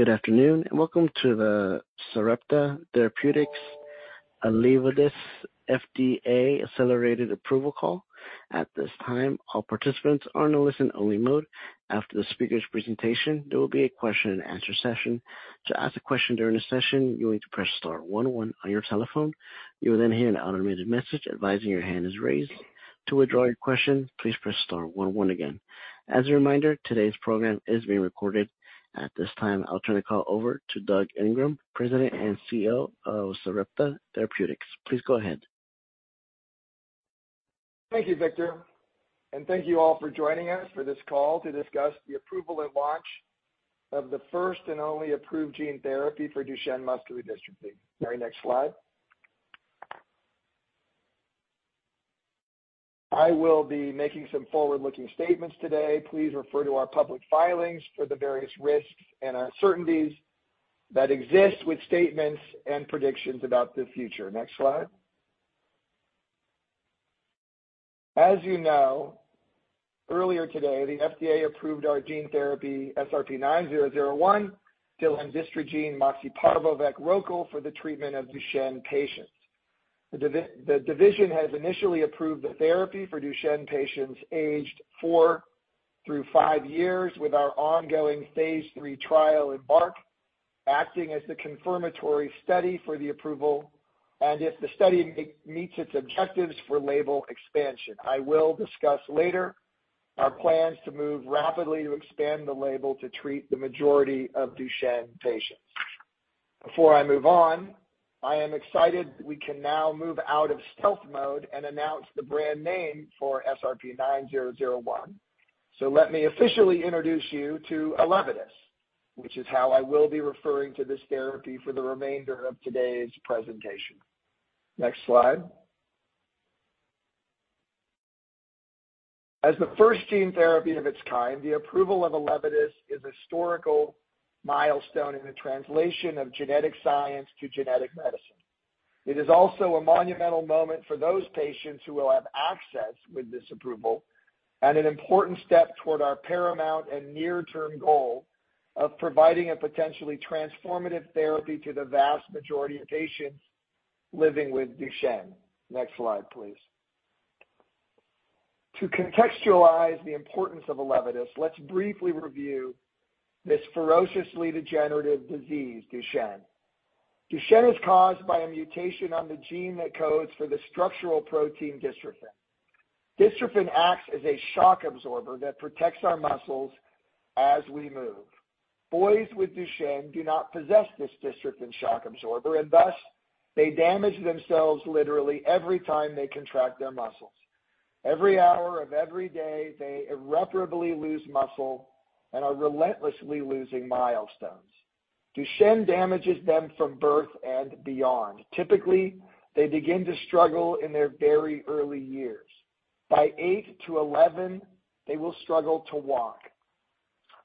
Good afternoon, and welcome to the Sarepta Therapeutics' ELEVIDYS FDA accelerated approval call. At this time, all participants are in a listen-only mode. After the speaker's presentation, there will be a question-and-answer session. To ask a question during the session, you'll need to press star one one on your telephone. You will then hear an automated message advising your hand is raised. To withdraw your question, please press star one one again. As a reminder, today's program is being recorded. At this time, I'll turn the call over to Doug Ingram, President and CEO of Sarepta Therapeutics. Please go ahead. Thank you, Victor, and thank you all for joining us for this call to discuss the approval and launch of the first and only approved gene therapy for Duchenne muscular dystrophy. Very next slide. I will be making some forward-looking statements today. Please refer to our public filings for the various risks and uncertainties that exist with statements and predictions about the future. Next slide. As you know, earlier today, the FDA approved our gene therapy, SRP-9001, to delandistrogene moxeparvovec-rokl for the treatment of Duchenne patients. The division has initially approved the therapy for Duchenne patients aged 4 through 5 years, with our ongoing phase III trial, EMBARK, acting as the confirmatory study for the approval, and if the study meets its objectives for label expansion. I will discuss later our plans to move rapidly to expand the label to treat the majority of Duchenne patients. Before I move on, I am excited we can now move out of stealth mode and announce the brand name for SRP-9001. Let me officially introduce you to ELEVIDYS, which is how I will be referring to this therapy for the remainder of today's presentation. Next slide. As the first gene therapy of its kind, the approval of ELEVIDYS is a historical milestone in the translation of genetic science to genetic medicine. It is also a monumental moment for those patients who will have access with this approval, and an important step toward our paramount and near-term goal of providing a potentially transformative therapy to the vast majority of patients living with Duchenne. Next slide, please. To contextualize the importance of ELEVIDYS, let's briefly review this ferociously degenerative disease, Duchenne. Duchenne is caused by a mutation on the gene that codes for the structural protein dystrophin. Dystrophin acts as a shock absorber that protects our muscles as we move. Boys with Duchenne do not possess this dystrophin shock absorber. Thus, they damage themselves literally every time they contract their muscles. Every hour of every day, they irreparably lose muscle and are relentlessly losing milestones. Duchenne damages them from birth and beyond. Typically, they begin to struggle in their very early years. By 8 to 11, they will struggle to walk.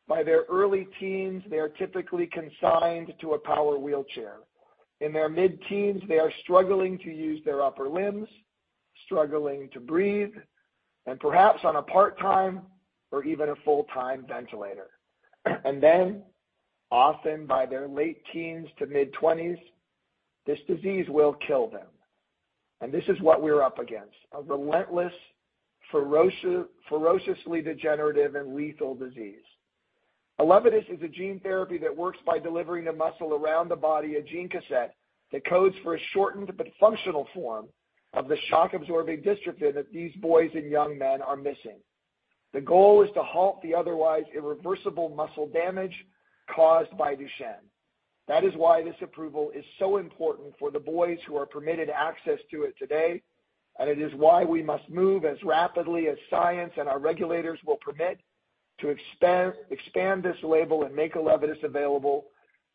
By their early teens, they are typically consigned to a power wheelchair. In their mid-teens, they are struggling to use their upper limbs, struggling to breathe, and perhaps on a part-time or even a full-time ventilator. Then, often by their late teens to mid-20s, this disease will kill them. This is what we're up against, a relentless, ferociously degenerative and lethal disease. ELEVIDYS is a gene therapy that works by delivering the muscle around the body, a gene cassette, that codes for a shortened but functional form of the shock-absorbing dystrophin that these boys and young men are missing. The goal is to halt the otherwise irreversible muscle damage caused by Duchenne. That is why this approval is so important for the boys who are permitted access to it today. It is why we must move as rapidly as science and our regulators will permit to expand this label and make ELEVIDYS available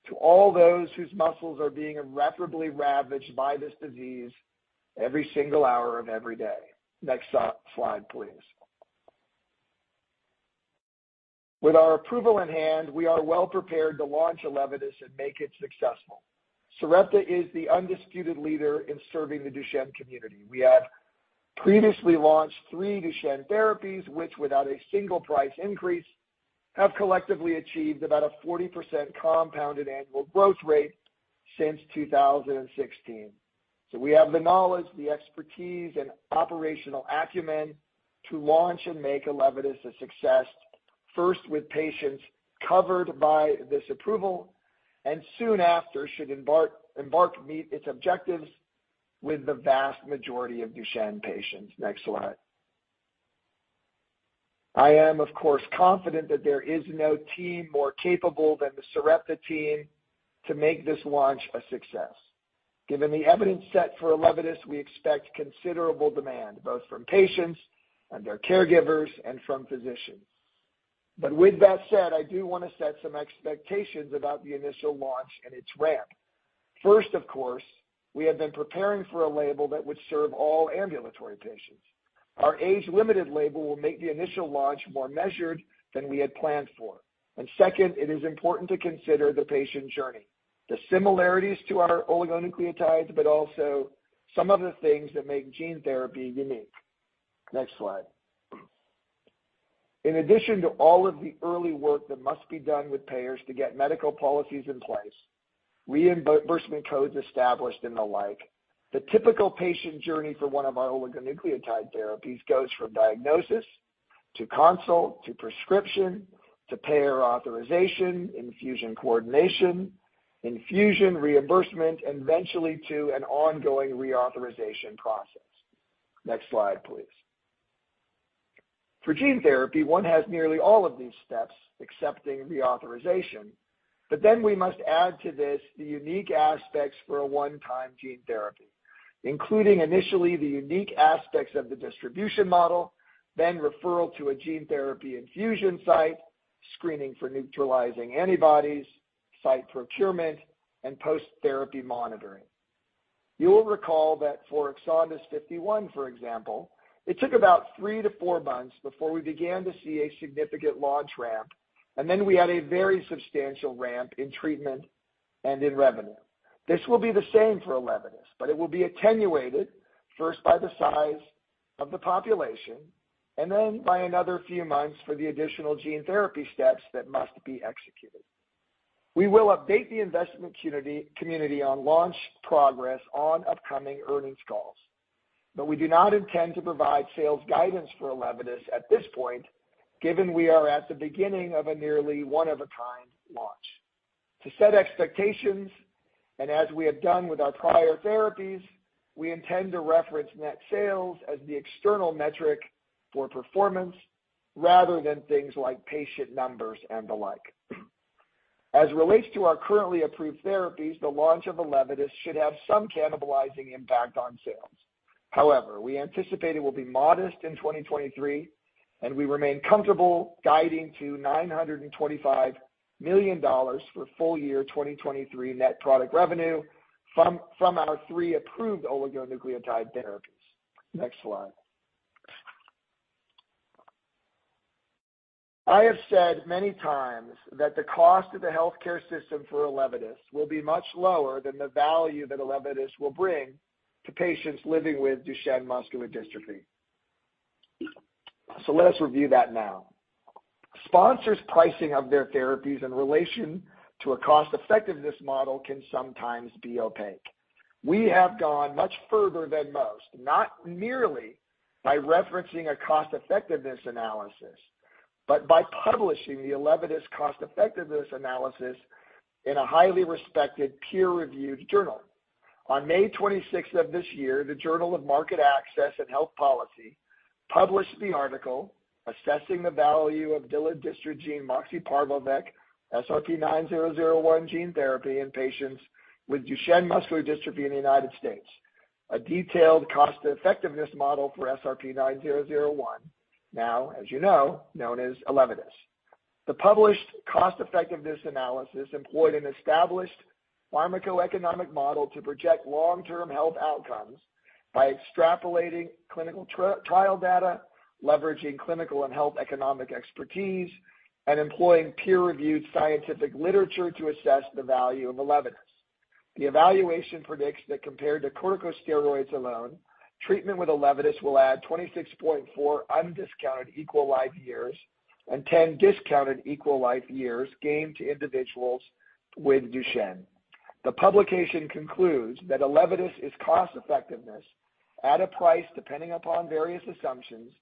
to all those whose muscles are being irreparably ravaged by this disease every single hour of every day. Next slide, please. With our approval in hand, we are well prepared to launch ELEVIDYS and make it successful. Sarepta is the undisputed leader in serving the Duchenne community. We have previously launched three Duchenne therapies, which, without a single price increase, have collectively achieved about a 40% compounded annual growth rate since 2016. We have the knowledge, the expertise, and operational acumen to launch and make ELEVIDYS a success, first with patients covered by this approval, and soon after, should EMBARK meet its objectives with the vast majority of Duchenne patients. Next slide. I am, of course, confident that there is no team more capable than the Sarepta team to make this launch a success. Given the evidence set for ELEVIDYS, we expect considerable demand, both from patients and their caregivers and from physicians. With that said, I do want to set some expectations about the initial launch and its ramp. First, of course, we have been preparing for a label that would serve all ambulatory patients. Our age-limited label will make the initial launch more measured than we had planned for. Second, it is important to consider the patient journey, the similarities to our oligonucleotides, but also some of the things that make gene therapy unique. Next slide. In addition to all of the early work that must be done with payers to get medical policies in place, reimbursement codes established and the like, the typical patient journey for one of our oligonucleotide therapies goes from diagnosis, to consult, to prescription, to payer authorization, infusion coordination, infusion reimbursement, and eventually to an ongoing reauthorization process. Next slide, please. For gene therapy, one has nearly all of these steps, excepting reauthorization, but then we must add to this the unique aspects for a one-time gene therapy, including initially the unique aspects of the distribution model, then referral to a gene therapy infusion site, screening for neutralizing antibodies, site procurement, and post-therapy monitoring. You will recall that for EXONDYS 51, for example, it took about 3-4 months before we began to see a significant launch ramp, and then we had a very substantial ramp in treatment and in revenue. This will be the same for ELEVIDYS, but it will be attenuated, first by the size of the population and then by another few months for the additional gene therapy steps that must be executed. We will update the investment community on launch progress on upcoming earnings calls. We do not intend to provide sales guidance for ELEVIDYS at this point, given we are at the beginning of a nearly one-of-a-kind launch. To set expectations, as we have done with our prior therapies, we intend to reference net sales as the external metric for performance rather than things like patient numbers and the like. As relates to our currently approved therapies, the launch of ELEVIDYS should have some cannibalizing impact on sales. However, we anticipate it will be modest in 2023. We remain comfortable guiding to $925 million for full year 2023 net product revenue from our three approved oligonucleotide therapies. Next slide. I have said many times that the cost of the healthcare system for ELEVIDYS will be much lower than the value that ELEVIDYS will bring to patients living with Duchenne muscular dystrophy. Let us review that now. Sponsors' pricing of their therapies in relation to a cost-effectiveness model can sometimes be opaque. We have gone much further than most, not merely by referencing a cost-effectiveness analysis, but by publishing the ELEVIDYS cost-effectiveness analysis in a highly respected peer-reviewed journal. On May 26th of this year, the Journal of Market Access and Health Policy published the article "Assessing the Value of Dystrophin moxeparvovec, SRP-9001 Gene Therapy in Patients with Duchenne Muscular Dystrophy in the United States," a detailed cost-effectiveness model for SRP-9001, now, as you know, known as ELEVIDYS. The published cost-effectiveness analysis employed an established pharmacoeconomic model to project long-term health outcomes by extrapolating clinical trial data, leveraging clinical and health economic expertise, and employing peer-reviewed scientific literature to assess the value of ELEVIDYS. The evaluation predicts that compared to corticosteroids alone, treatment with ELEVIDYS will add 26.4 undiscounted life years and 10 discounted life years gained to individuals with Duchenne. The publication concludes that ELEVIDYS is cost-effectiveness at a price, depending upon various assumptions,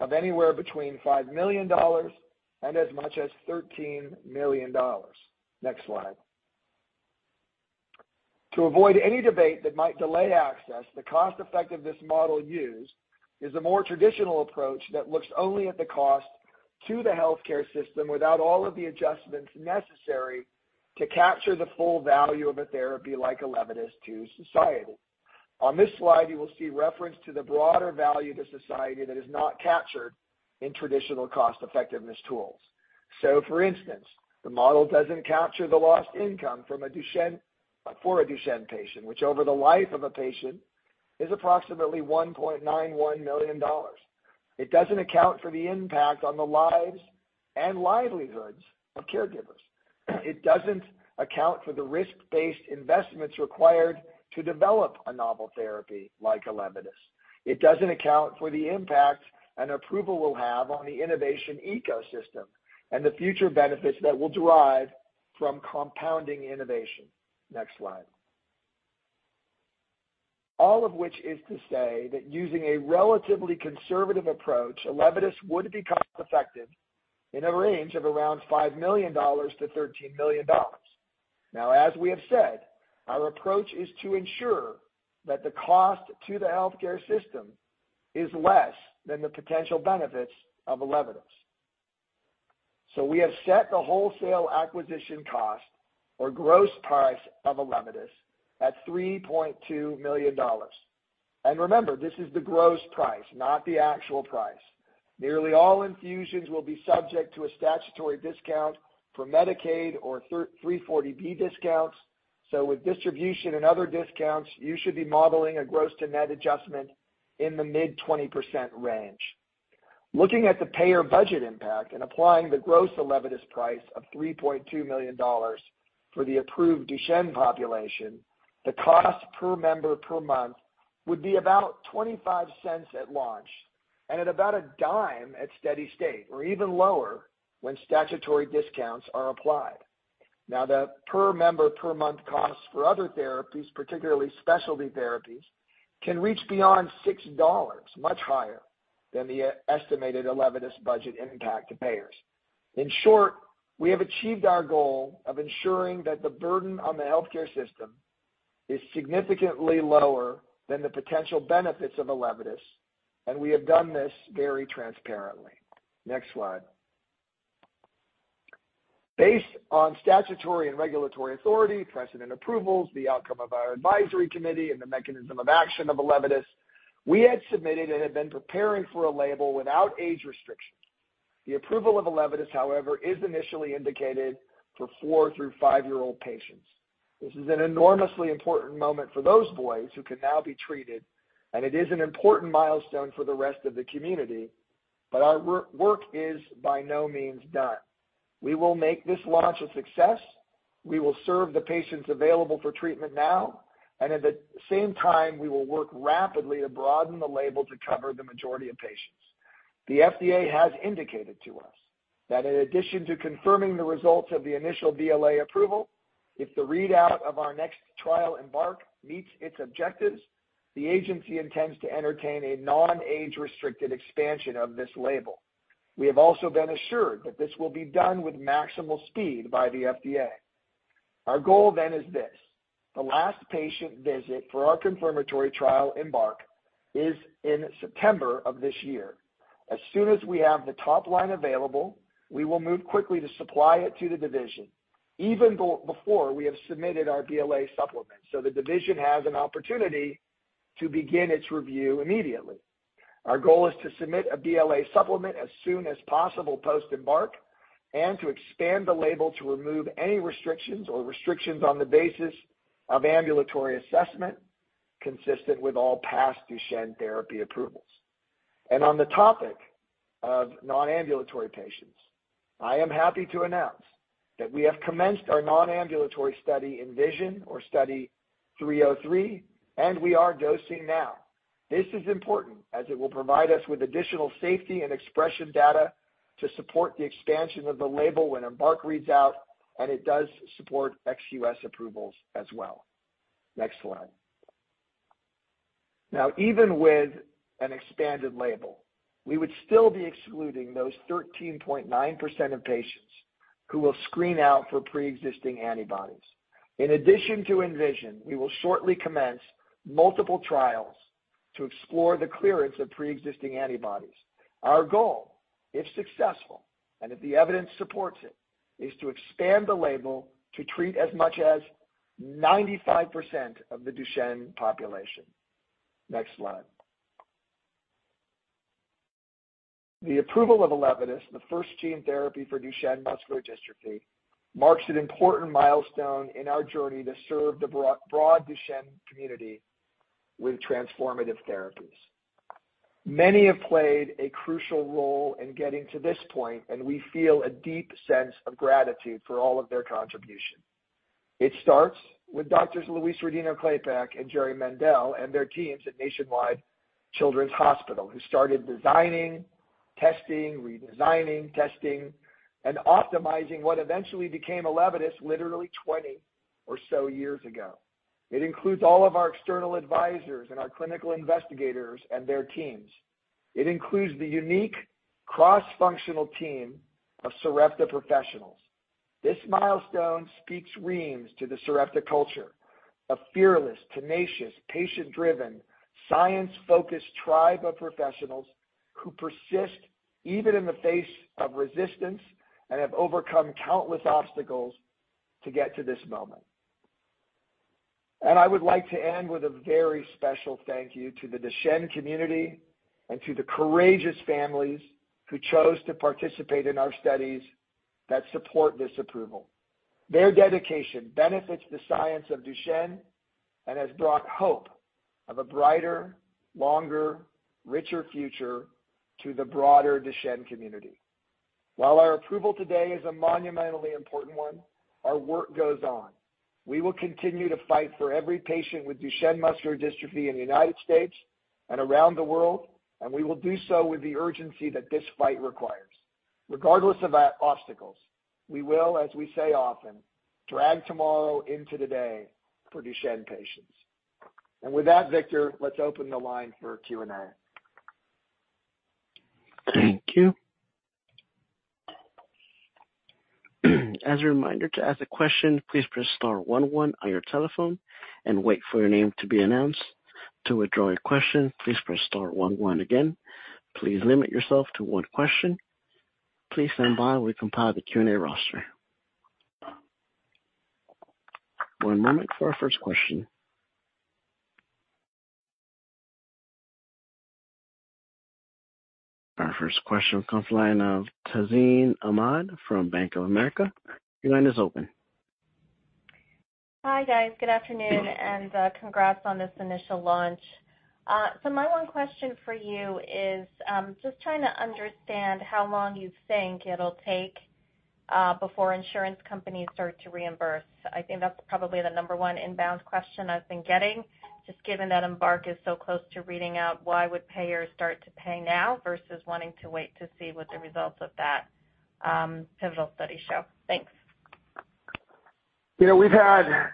of anywhere between $5 million and as much as $13 million. Next slide. To avoid any debate that might delay access, the cost-effectiveness model used is a more traditional approach that looks only at the cost to the healthcare system without all of the adjustments necessary to capture the full value of a therapy like ELEVIDYS to society. On this slide, you will see reference to the broader value to society that is not captured in traditional cost-effectiveness tools. For instance, the model doesn't capture the lost income for a Duchenne patient, which over the life of a patient is approximately $1.91 million. It doesn't account for the impact on the lives and livelihoods of caregivers. It doesn't account for the risk-based investments required to develop a novel therapy like ELEVIDYS. It doesn't account for the impact an approval will have on the innovation ecosystem and the future benefits that will derive from compounding innovation. Next slide. All of which is to say that using a relatively conservative approach, ELEVIDYS would be cost effective in a range of around $5 million-$13 million. As we have said, our approach is to ensure that the cost to the healthcare system is less than the potential benefits of ELEVIDYS. We have set the wholesale acquisition cost or gross price of ELEVIDYS at $3.2 million. Remember, this is the gross price, not the actual price. Nearly all infusions will be subject to a statutory discount for Medicaid or 340B discounts. With distribution and other discounts, you should be modeling a gross to net adjustment in the mid-20% range. Looking at the payer budget impact and applying the gross ELEVIDYS price of $3.2 million for the approved Duchenne population, the cost per member per month would be about $0.25 at launch and at about $0.10 at steady state, or even lower when statutory discounts are applied. The per member per month costs for other therapies, particularly specialty therapies, can reach beyond $6, much higher than the estimated ELEVIDYS budget impact to payers. In short, we have achieved our goal of ensuring that the burden on the healthcare system is significantly lower than the potential benefits of ELEVIDYS, and we have done this very transparently. Next slide. Based on statutory and regulatory authority, precedent approvals, the outcome of our advisory committee, and the mechanism of action of ELEVIDYS, we had submitted and had been preparing for a label without age restrictions. The approval of ELEVIDYS, however, is initially indicated for 4 through 5-year-old patients. This is an enormously important moment for those boys who can now be treated, and it is an important milestone for the rest of the community, but our work is by no means done. We will make this launch a success. We will serve the patients available for treatment now, and at the same time, we will work rapidly to broaden the label to cover the majority of patients. The FDA has indicated to us that in addition to confirming the results of the initial BLA approval, if the readout of our next trial, EMBARK, meets its objectives, the agency intends to entertain a non-age-restricted expansion of this label. We have also been assured that this will be done with maximal speed by the FDA. Our goal is this: The last patient visit for our confirmatory trial, EMBARK, is in September of this year. As soon as we have the top line available, we will move quickly to supply it to the division, even before we have submitted our BLA supplement, so the division has an opportunity to begin its review immediately. Our goal is to submit a BLA supplement as soon as possible post-EMBARK and to expand the label to remove any restrictions or restrictions on the basis of ambulatory assessment, consistent with all past Duchenne therapy approvals. On the topic of non-ambulatory patients, I am happy to announce that we have commenced our non-ambulatory study, ENVISION, or Study 303, and we are dosing now. This is important as it will provide us with additional safety and expression data to support the expansion of the label when EMBARK reads out, and it does support ex-US approvals as well. Next slide. Now, even with an expanded label, we would still be excluding those 13.9% of patients who will screen out for preexisting antibodies. In addition to ENVISION, we will shortly commence multiple trials to explore the clearance of preexisting antibodies. Our goal, if successful, and if the evidence supports it, is to expand the label to treat as much as 95% of the Duchenne population. Next slide. The approval of ELEVIDYS, the first gene therapy for Duchenne muscular dystrophy, marks an important milestone in our journey to serve the broad Duchenne community with transformative therapies. Many have played a crucial role in getting to this point, and we feel a deep sense of gratitude for all of their contribution. It starts with Doctors Louise Rodino-Klapac and Jerry Mendell and their teams at Nationwide Children's Hospital, who started designing, testing, redesigning, testing, and optimizing what eventually became ELEVIDYS literally 20 or so years ago. It includes all of our external advisors and our clinical investigators and their teams. It includes the unique cross-functional team of Sarepta professionals. This milestone speaks reams to the Sarepta culture, a fearless, tenacious, patient-driven, science-focused tribe of professionals who persist even in the face of resistance and have overcome countless obstacles to get to this moment. I would like to end with a very special thank you to the Duchenne community and to the courageous families who chose to participate in our studies that support this approval. Their dedication benefits the science of Duchenne and has brought hope of a brighter, longer, richer future to the broader Duchenne community. While our approval today is a monumentally important one, our work goes on. We will continue to fight for every patient with Duchenne muscular dystrophy in the U.S. and around the world, we will do so with the urgency that this fight requires. Regardless of our obstacles, we will, as we say often, drag tomorrow into today for Duchenne patients. With that, Victor, let's open the line for Q&A. Thank you. As a reminder, to ask a question, please press star one one on your telephone and wait for your name to be announced. To withdraw your question, please press star one one again. Please limit yourself to 1 question. Please stand by while we compile the Q&A roster. 1 moment for our first question. Our first question comes from the line of Tazeen Ahmad from Bank of America. Your line is open. Hi, guys. Good afternoon, congrats on this initial launch. My 1 question for you is, just trying to understand how long you think it'll take before insurance companies start to reimburse? I think that's probably the number 1 inbound question I've been getting. Just given that EMBARK is so close to reading out, why would payers start to pay now versus wanting to wait to see what the results of that pivotal study show? Thanks. You know,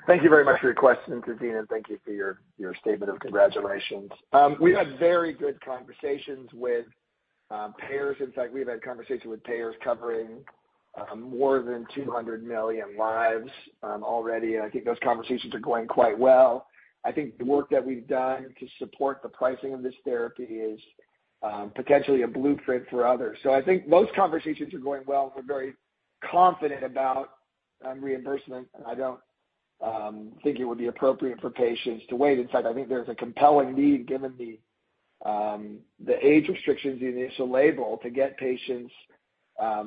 thank you very much for your question, Cristina, and thank you for your statement of congratulations. We've had very good conversations with payers. In fact, we've had conversations with payers covering more than 200 million lives already, and I think those conversations are going quite well. I think the work that we've done to support the pricing of this therapy is potentially a blueprint for others. I think most conversations are going well. We're very confident about reimbursement, and I don't think it would be appropriate for patients to wait. In fact, I think there's a compelling need, given the age restrictions in the initial label, to get patients,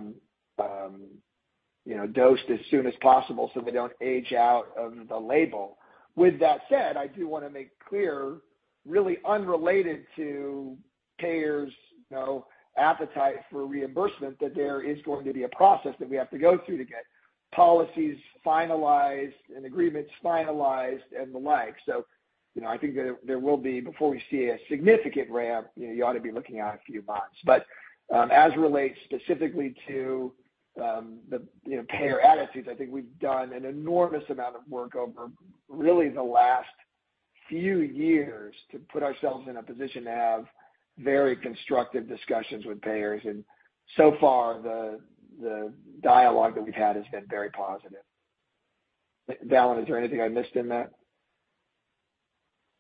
you know, dosed as soon as possible, so they don't age out of the label. With that said, I do wanna make clear, really unrelated to payers', you know, appetite for reimbursement, that there is going to be a process that we have to go through to get policies finalized and agreements finalized and the like. You know, I think there will be, before we see a significant ramp, you know, you ought to be looking at a few months. As relates specifically to the, you know, payer attitudes, I think we've done an enormous amount of work over really the last few years to put ourselves in a position to have very constructive discussions with payers. So far, the dialogue that we've had has been very positive. Dallan, is there anything I missed in that?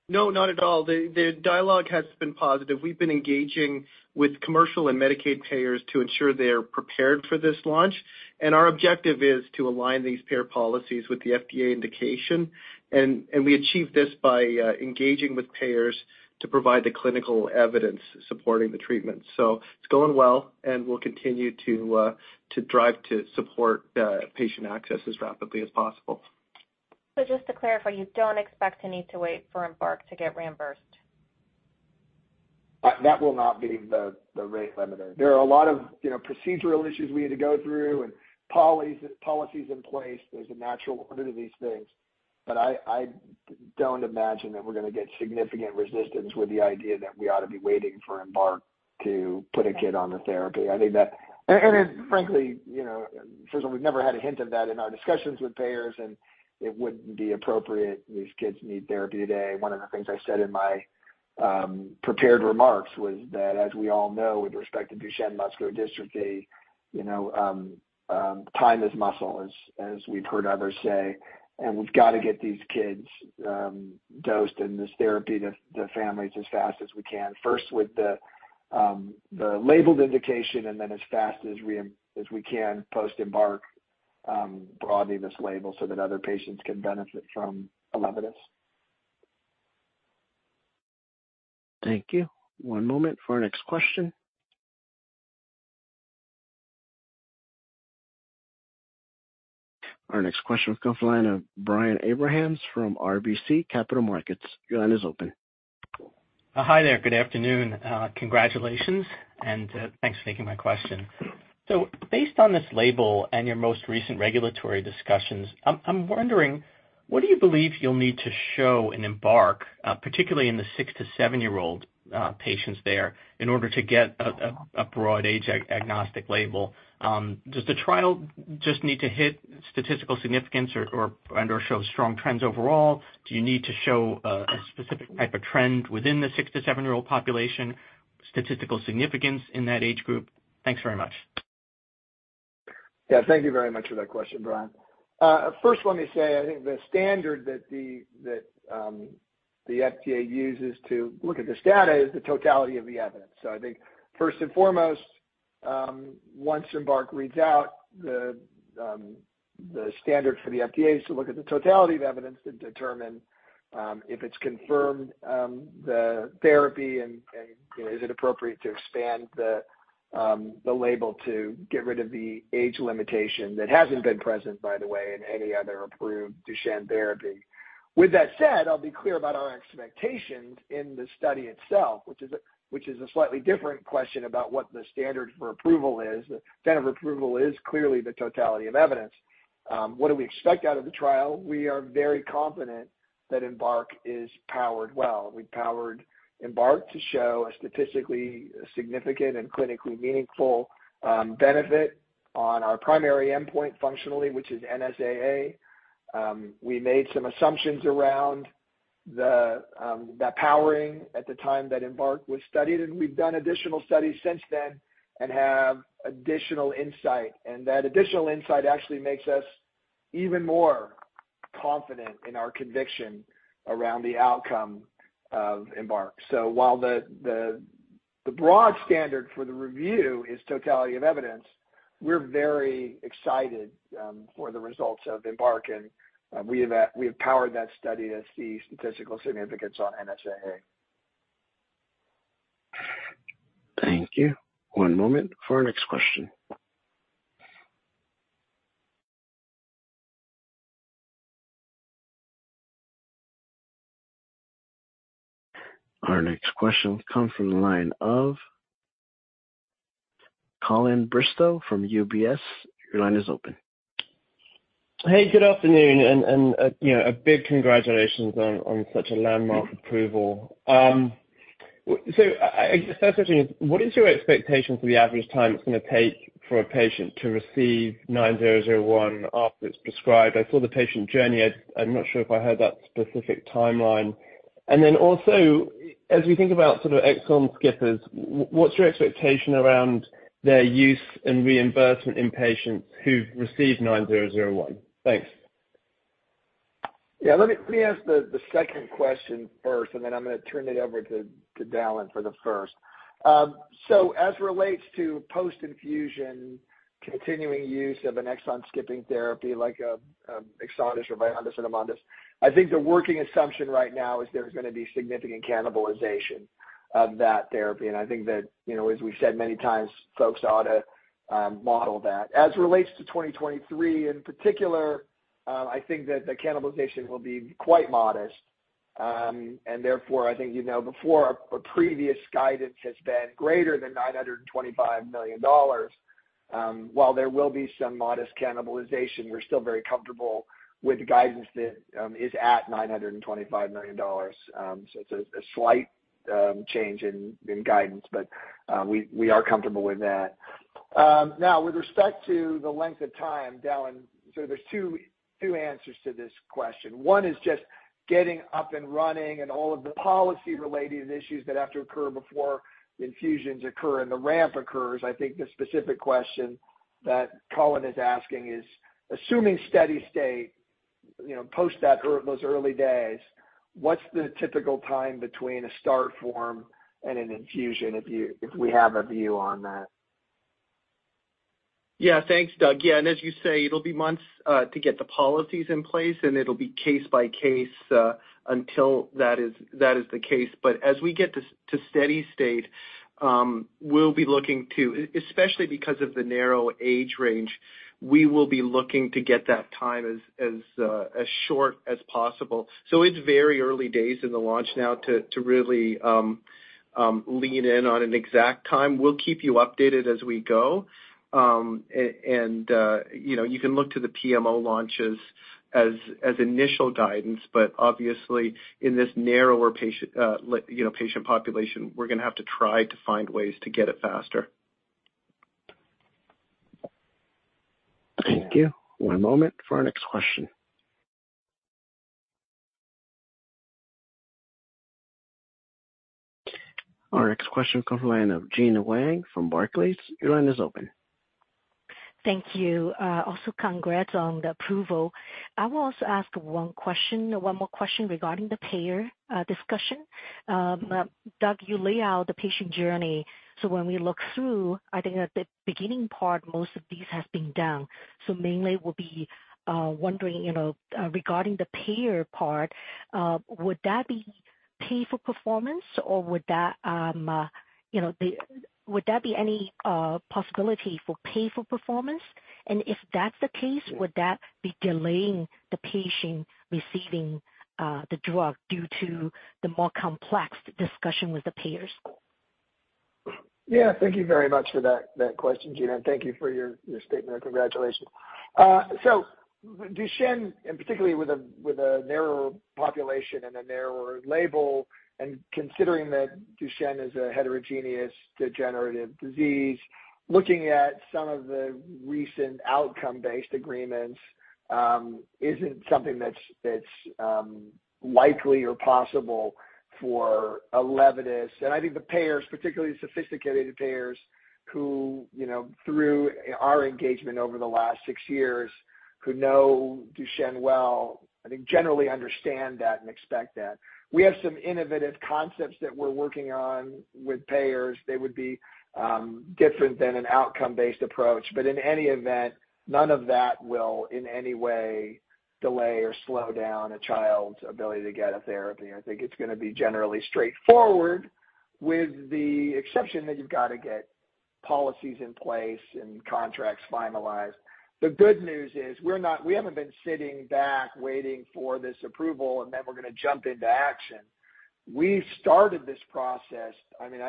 No, not at all. The dialogue has been positive. We've been engaging with commercial and Medicaid payers to ensure they're prepared for this launch. Our objective is to align these payer policies with the FDA indication. We achieve this by engaging with payers to provide the clinical evidence supporting the treatment. It's going well, and we'll continue to drive to support patient access as rapidly as possible. Just to clarify, you don't expect to need to wait for EMBARK to get reimbursed? That will not be the rate limiter. There are a lot of, you know, procedural issues we need to go through and policies in place. There's a natural order to these things. I don't imagine that we're gonna get significant resistance with the idea that we ought to be waiting for EMBARK to put a kid on the therapy. I think that... Frankly, you know, Cristina, we've never had a hint of that in our discussions with payers, and it wouldn't be appropriate. These kids need therapy today. One of the things I said in my prepared remarks was that, as we all know, with respect to Duchenne muscular dystrophy, you know, time is muscle, as we've heard others say. We've got to get these kids dosed in this therapy, the families as fast as we can. First, with the labeled indication and then as fast as we can, post-EMBARK, broadening this label so that other patients can benefit from ELEVIDYS. Thank you. One moment for our next question. Our next question will come from the line of Brian Abrahams from RBC Capital Markets. Your line is open. Hi there. Good afternoon. Congratulations, and thanks for taking my question. Based on this label and your most recent regulatory discussions, I'm wondering, what do you believe you'll need to show in EMBARK, particularly in the 6 to 7-year-old patients there, in order to get a broad age, agnostic label? Does the trial just need to hit statistical significance or and/or show strong trends overall? Do you need to show a specific type of trend within the 6 to 7-year-old population, statistical significance in that age group? Thanks very much. Yeah, thank you very much for that question, Brian. First, let me say, I think the standard that the FDA uses to look at this data is the totality of the evidence. I think, first and foremost, once EMBARK reads out, the standard for the FDA is to look at the totality of evidence to determine if it's confirmed the therapy and, you know, is it appropriate to expand the label to get rid of the age limitation that hasn't been present, by the way, in any other approved Duchenne therapy. With that said, I'll be clear about our expectations in the study itself, which is a slightly different question about what the standard for approval is. The standard for approval is clearly the totality of evidence. What do we expect out of the trial? We are very confident that EMBARK is powered well. We powered EMBARK to show a statistically significant and clinically meaningful benefit on our primary endpoint functionally, which is NSAA. We made some assumptions around the powering at the time that EMBARK was studied, and we've done additional studies since then and have additional insight. That additional insight actually makes us even more confident in our conviction around the outcome of EMBARK. While the broad standard for the review is totality of evidence, we're very excited for the results of EMBARK, and we have powered that study to see statistical significance on NSAA. Thank you. One moment for our next question. Our next question will come from the line of Colin Bristow from UBS. Your line is open. Hey, good afternoon, and, you know, a big congratulations on such a landmark approval. I, first question is, what is your expectation for the average time it's gonna take for a patient to receive SRP-9001 after it's prescribed? I saw the patient journey. I'm not sure if I heard that specific timeline. Also, as we think about sort of exon skippers, what's your expectation around their use and reimbursement in patients who've received SRP-9001? Thanks. Yeah, let me answer the second question first, and then I'm gonna turn it over to Dallan for the first. As relates to post-infusion, continuing use of an exon skipping therapy, like EXONDYS or VYONDYS and AMONDYS 45, I think the working assumption right now is there's gonna be significant cannibalization of that therapy. I think that, you know, as we've said many times, folks ought to model that. As it relates to 2023 in particular, I think that the cannibalization will be quite modest. Therefore, I think, you know, before our previous guidance has been greater than $925 million, while there will be some modest cannibalization, we're still very comfortable with the guidance that is at $925 million. It's a slight change in guidance, but we are comfortable with that. Now, with respect to the length of time, Dallan, there's two answers to this question. One is just getting up and running and all of the policy-related issues that have to occur before the infusions occur and the ramp occurs. I think the specific question that Colin is asking is, assuming steady state, you know, post that those early days, what's the typical time between a start form and an infusion, if we have a view on that? Thanks, Doug. As you say, it'll be months to get the policies in place, and it'll be case by case until that is the case. As we get to steady state, we'll be looking to, especially because of the narrow age range, we will be looking to get that time as short as possible. It's very early days in the launch now to really lean in on an exact time. We'll keep you updated as we go. You know, you can look to the PMO launches as initial guidance, but obviously, in this narrower patient population, we're gonna have to try to find ways to get it faster. Thank you. One moment for our next question. Our next question comes from the line of Gena Wang from Barclays. Your line is open. Thank you. Also congrats on the approval. I will also ask one question, one more question regarding the payer discussion. Doug, you lay out the patient journey. When we look through, I think at the beginning part, most of these have been done. Mainly we'll be wondering, you know, regarding the payer part, would that be pay for performance? Would that, you know, would that be any possibility for pay for performance? If that's the case, would that be delaying the patient receiving the drug due to the more complex discussion with the payers? Yeah, thank you very much for that question, Gena, and thank you for your statement of congratulations. Duchenne, and particularly with a, with a narrower population and a narrower label, and considering that Duchenne is a heterogeneous, degenerative disease, looking at some of the recent outcome-based agreements, isn't something that's likely or possible for ELEVIDYS. I think the payers, particularly the sophisticated payers, who, you know, through our engagement over the last six years, who know Duchenne well, I think generally understand that and expect that. We have some innovative concepts that we're working on with payers. They would be different than an outcome-based approach, but in any event, none of that will, in any way, delay or slow down a child's ability to get a therapy. I think it's gonna be generally straightforward, with the exception that you've got to get policies in place and contracts finalized. The good news is we haven't been sitting back waiting for this approval, and then we're gonna jump into action. We started this process. I mean,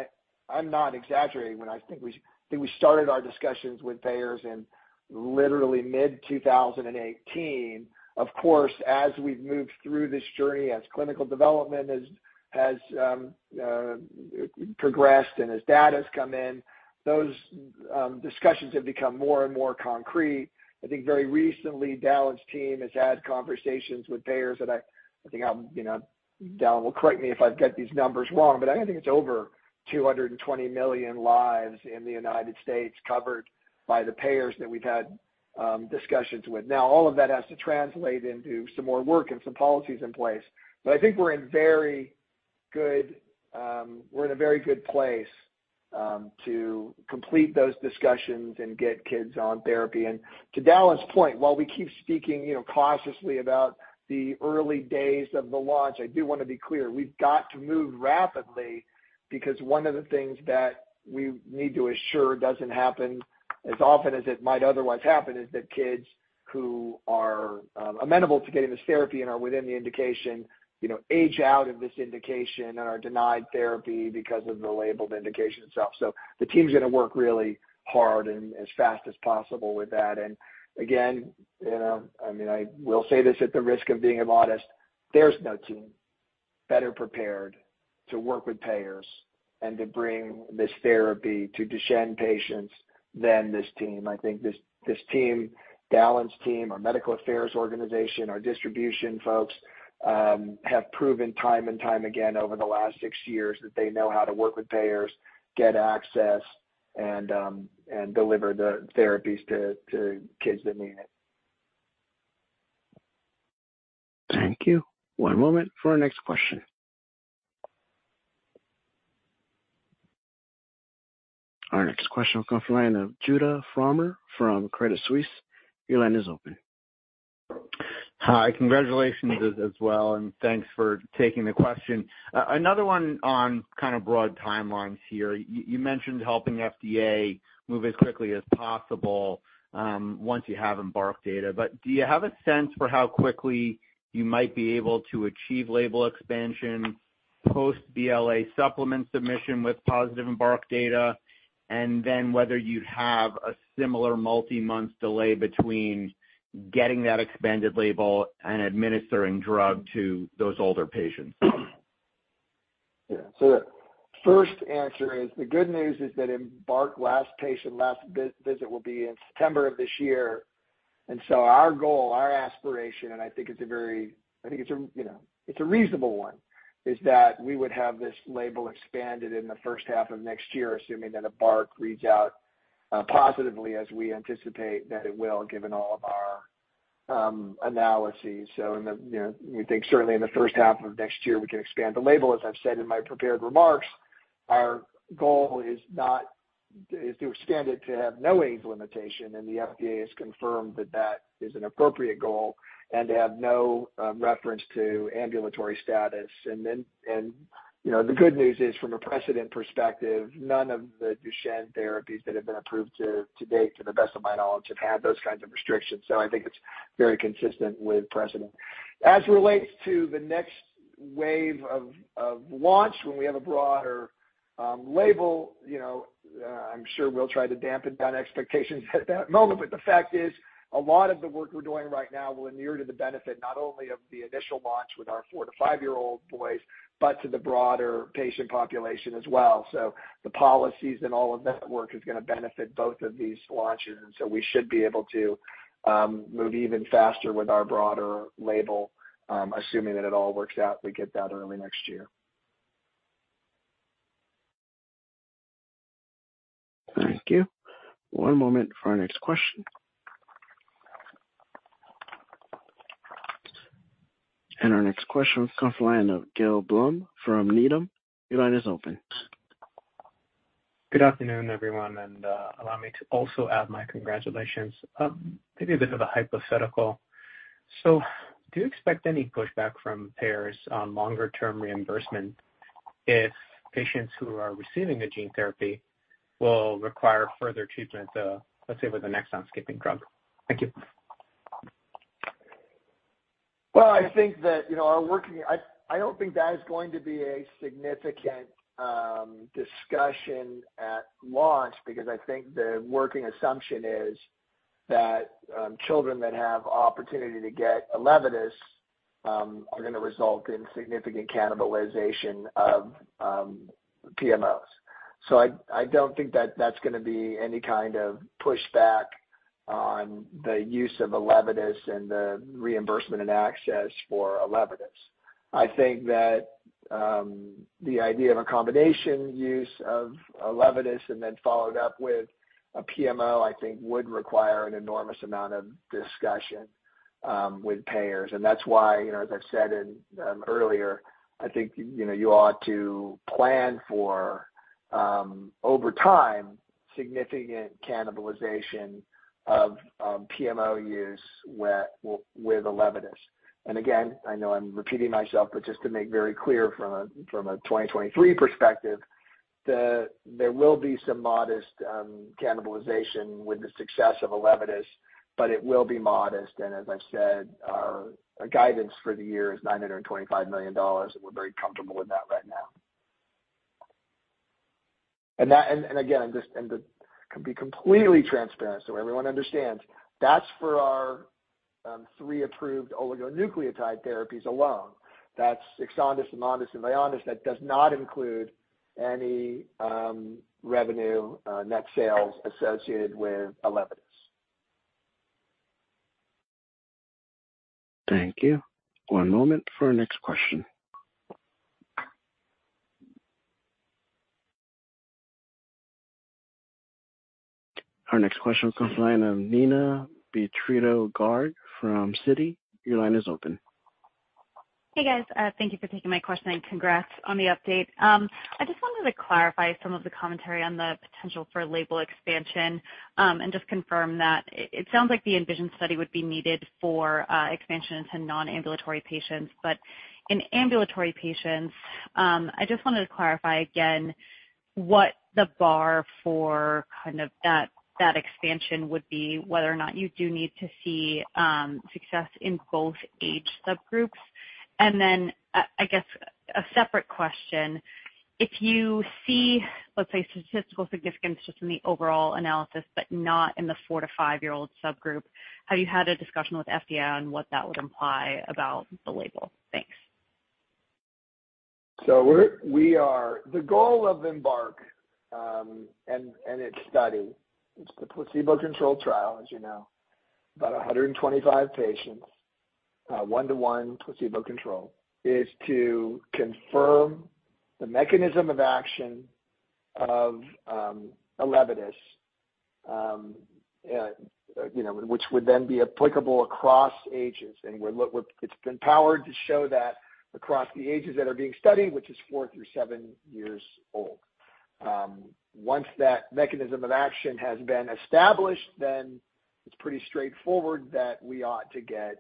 I'm not exaggerating when I think we started our discussions with payers in literally mid-2018. Of course, as we've moved through this journey, as clinical development has progressed and as data has come in, those discussions have become more and more concrete. I think very recently, Dallan's team has had conversations with payers that I think, you know, Dalen will correct me if I've got these numbers wrong, but I think it's over 220 million lives in the United States, covered by the payers that we've had discussions with. All of that has to translate into some more work and some policies in place, but I think we're in very good, we're in a very good place to complete those discussions and get kids on therapy. To Dallas' point, while we keep speaking, you know, cautiously about the early days of the launch, I do want to be clear, we've got to move rapidly, because one of the things that we need to assure doesn't happen as often as it might otherwise happen, is that kids who are amenable to getting this therapy and are within the indication, you know, age out of this indication and are denied therapy because of the labeled indication itself. The team's gonna work really hard and as fast as possible with that. Again, you know, I mean, I will say this at the risk of being immodest, there's no team better prepared to work with payers and to bring this therapy to Duchenne patients than this team. I think this team, Dallas' team, our medical affairs organization, our distribution folks, have proven time and time again over the last 6 years that they know how to work with payers, get access, and deliver the therapies to kids that need it. Thank you. One moment for our next question. Our next question will come from the line of Judah Frommer from Credit Suisse. Your line is open. Hi. Congratulations as well, and thanks for taking the question. Another one on kind of broad timelines here. You mentioned helping FDA move as quickly as possible, once you have EMBARK data, do you have a sense for how quickly you might be able to achieve label expansion, post BLA supplement submission with positive EMBARK data, and then whether you'd have a similar multi-month delay between getting that expanded label and administering drug to those older patients? Yeah. The first answer is, the good news is that EMBARK last patient, last visit, will be in September of this year. Our goal, our aspiration, and I think it's a very, you know, it's a reasonable one, is that we would have this label expanded in the first half of next year, assuming that EMBARK reads out positively, as we anticipate that it will, given all of our analyses. In the, you know, we think certainly in the first half of next year, we can expand the label. As I've said in my prepared remarks, our goal is to expand it, to have no age limitation, and the FDA has confirmed that that is an appropriate goal and to have no reference to ambulatory status. You know, the good news is, from a precedent perspective, none of the Duchenne therapies that have been approved to date, to the best of my knowledge, have had those kinds of restrictions, so I think it's very consistent with precedent. As it relates to the next wave of launch, when we have a broader label, you know, I'm sure we'll try to dampen down expectations at that moment, but the fact is, a lot of the work we're doing right now will inure to the benefit, not only of the initial launch with our four to five-year-old boys, but to the broader patient population as well. The policies and all of that work is gonna benefit both of these launches, and so we should be able to move even faster with our broader label, assuming that it all works out, we get that early next year. Thank you. One moment for our next question. Our next question comes from the line of Gil Blum from Needham. Your line is open. Good afternoon, everyone, and allow me to also add my congratulations. Maybe a bit of a hypothetical. Do you expect any pushback from payers on longer-term reimbursement if patients who are receiving the gene therapy will require further treatment, let's say, with the next exon-skipping drug? Thank you. Well, I think that, you know, I don't think that is going to be a significant discussion at launch because I think the working assumption is that children that have opportunity to get ELEVIDYS are gonna result in significant cannibalization of PMOs. I don't think that that's gonna be any kind of pushback on the use of ELEVIDYS and the reimbursement and access for ELEVIDYS. I think that the idea of a combination use of ELEVIDYS and then followed up with a PMO, I think would require an enormous amount of discussion with payers. That's why, you know, as I've said in earlier, I think, you know, you ought to plan for over time, significant cannibalization of PMO use with ELEVIDYS. Again, I know I'm repeating myself, but just to make very clear from a 2023 perspective, there will be some modest cannibalization with the success of ELEVIDYS, but it will be modest. As I've said, our guidance for the year is $925 million, and we're very comfortable with that right now. That, just to be completely transparent so everyone understands, that's for our three approved oligonucleotide therapies alone. That's EXONDYS, AMONDYS, and VYONDYS 53. That does not include any revenue, net sales associated with ELEVIDYS. Thank you. One moment for our next question. Our next question comes from the line of Neena Bitritto-Garg from Citi. Your line is open.... Hey, guys. Thank you for taking my question. Congrats on the update. I just wanted to clarify some of the commentary on the potential for label expansion, and just confirm that it sounds like the ENVISION study would be needed for expansion into non-ambulatory patients. In ambulatory patients, I just wanted to clarify again what the bar for kind of that expansion would be, whether or not you do need to see success in both age subgroups. I guess a separate question: If you see, let's say, statistical significance just in the overall analysis, but not in the four to five-year-old subgroup, have you had a discussion with FDA on what that would imply about the label? Thanks. The goal of EMBARK, and its study, it's the placebo-controlled trial, as you know, about 125 patients, one-to-one placebo control, is to confirm the mechanism of action of ELEVIDYS, you know, which would then be applicable across ages. It's been powered to show that across the ages that are being studied, which is 4 through 7 years old. Once that mechanism of action has been established, it's pretty straightforward that we ought to get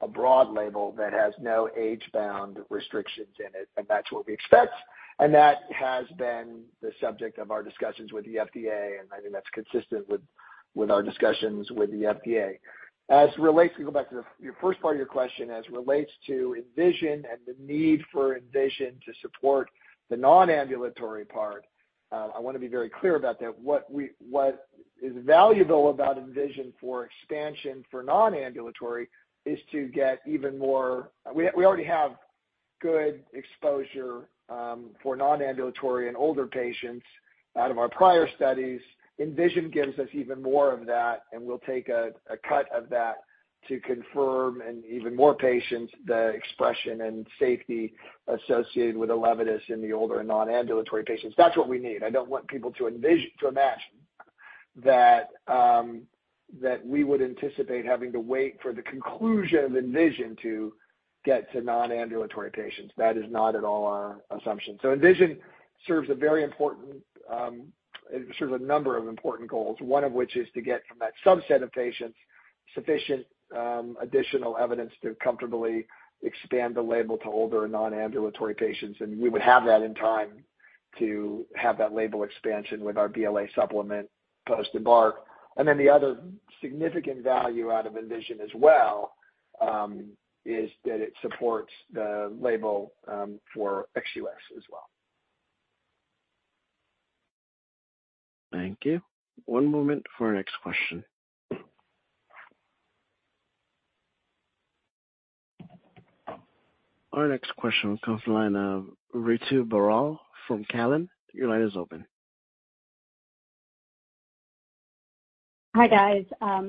a broad label that has no age-bound restrictions in it, and that's what we expect. That has been the subject of our discussions with the FDA, I think that's consistent with our discussions with the FDA. As it relates, to go back to the, your first part of your question, as it relates to ENVISION and the need for ENVISION to support the nonambulatory part, I want to be very clear about that. What is valuable about ENVISION for expansion for nonambulatory is to get even more... We already have good exposure, for nonambulatory and older patients out of our prior studies. ENVISION gives us even more of that, and we'll take a cut of that to confirm in even more patients the expression and safety associated with ELEVIDYS in the older and nonambulatory patients. That's what we need. I don't want people to envision, to imagine that we would anticipate having to wait for the conclusion of ENVISION to get to nonambulatory patients. That is not at all our assumption. ENVISION serves a very important, it serves a number of important goals, one of which is to get from that subset of patients sufficient additional evidence to comfortably expand the label to older and nonambulatory patients, and we would have that in time to have that label expansion with our BLA supplement post-EMBARK. The other significant value out of ENVISION as well, is that it supports the label for XUS as well. Thank you. One moment for our next question. Our next question comes from the line of Ritu Baral from TD Cowen. Your line is open. Hi, guys.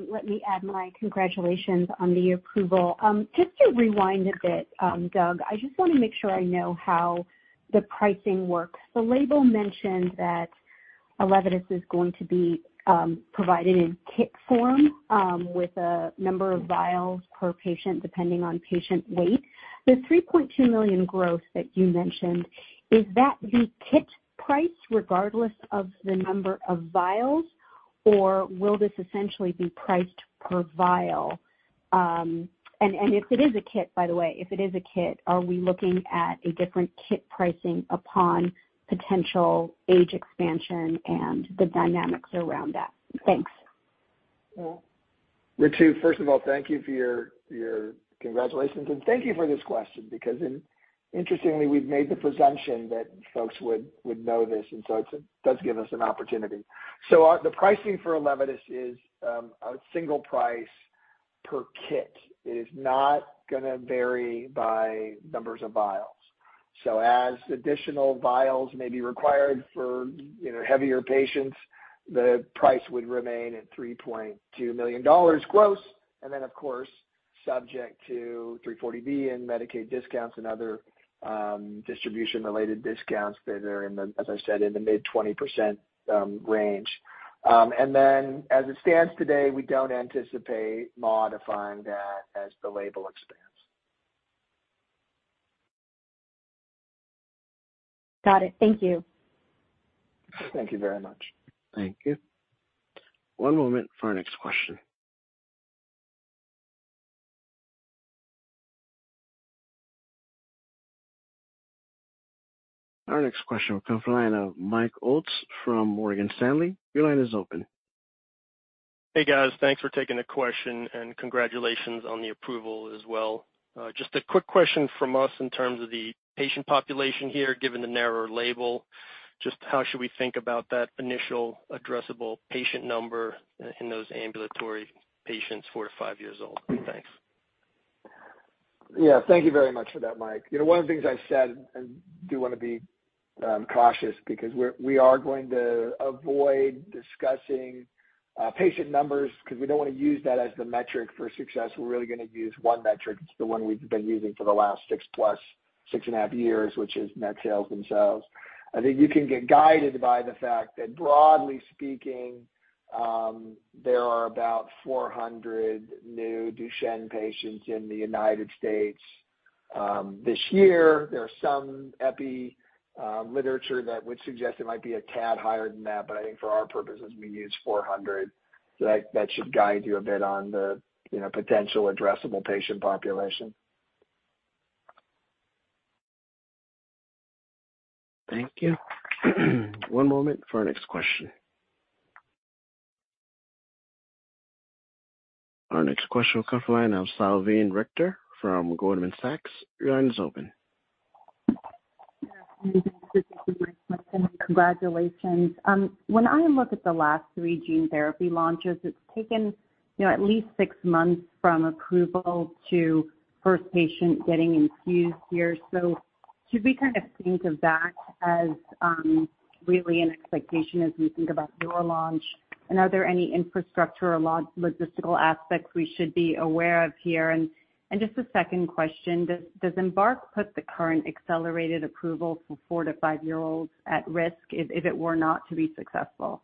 Let me add my congratulations on the approval. Just to rewind a bit, Doug, I just want to make sure I know how the pricing works. The label mentioned that ELEVIDYS is going to be provided in kit form, with a number of vials per patient, depending on patient weight. The $3.2 million growth that you mentioned, is that the kit price, regardless of the number of vials, or will this essentially be priced per vial? If it is a kit, by the way, if it is a kit, are we looking at a different kit pricing upon potential age expansion and the dynamics around that? Thanks. Well, Ritu, first of all, thank you for your congratulations, and thank you for this question because interestingly, we've made the presumption that folks would know this, and it does give us an opportunity. The pricing for ELEVIDYS is a single price per kit. It is not gonna vary by numbers of vials. So as additional vials may be required for, you know, heavier patients, the price would remain at $3.2 million gross, and then, of course, subject to 340B and Medicaid discounts and other distribution-related discounts that are in the, as I said, in the mid-20% range. As it stands today, we don't anticipate modifying that as the label expands. Got it. Thank you. Thank you very much. Thank you. One moment for our next question. Our next question will come from the line of Michael Ulz from Morgan Stanley. Your line is open. Hey, guys. Thanks for taking the question, and congratulations on the approval as well. Just a quick question from us in terms of the patient population here, given the narrower label, just how should we think about that initial addressable patient number in those ambulatory patients, 4-5 years old? Thanks. Thank you very much for that, Mike. You know, one of the things I said, and do want to be cautious because we are going to avoid discussing patient numbers because we don't want to use that as the metric for success. We're really going to use 1 metric. It's the one we've been using for the last 6+, 6.5 years, which is net sales themselves. I think you can get guided by the fact that, broadly speaking, there are about 400 new Duchenne patients in the U.S. this year. There are some epi literature that would suggest it might be a tad higher than that, but I think for our purposes, we use 400. That should guide you a bit on the, you know, potential addressable patient population. Thank you. One moment for our next question. Our next question will come from the line of Salveen Richter from Goldman Sachs. Your line is open. Yeah, thank you very much, and congratulations. When I look at the last three gene therapy launches, it's taken, you know, at least six months from approval to first patient getting infused here. Should we kind of think of that as really an expectation as we think about your launch? Are there any infrastructure or logistical aspects we should be aware of here? Just a second question, does EMBARK put the current accelerated approval for four to five-year-olds at risk if it were not to be successful?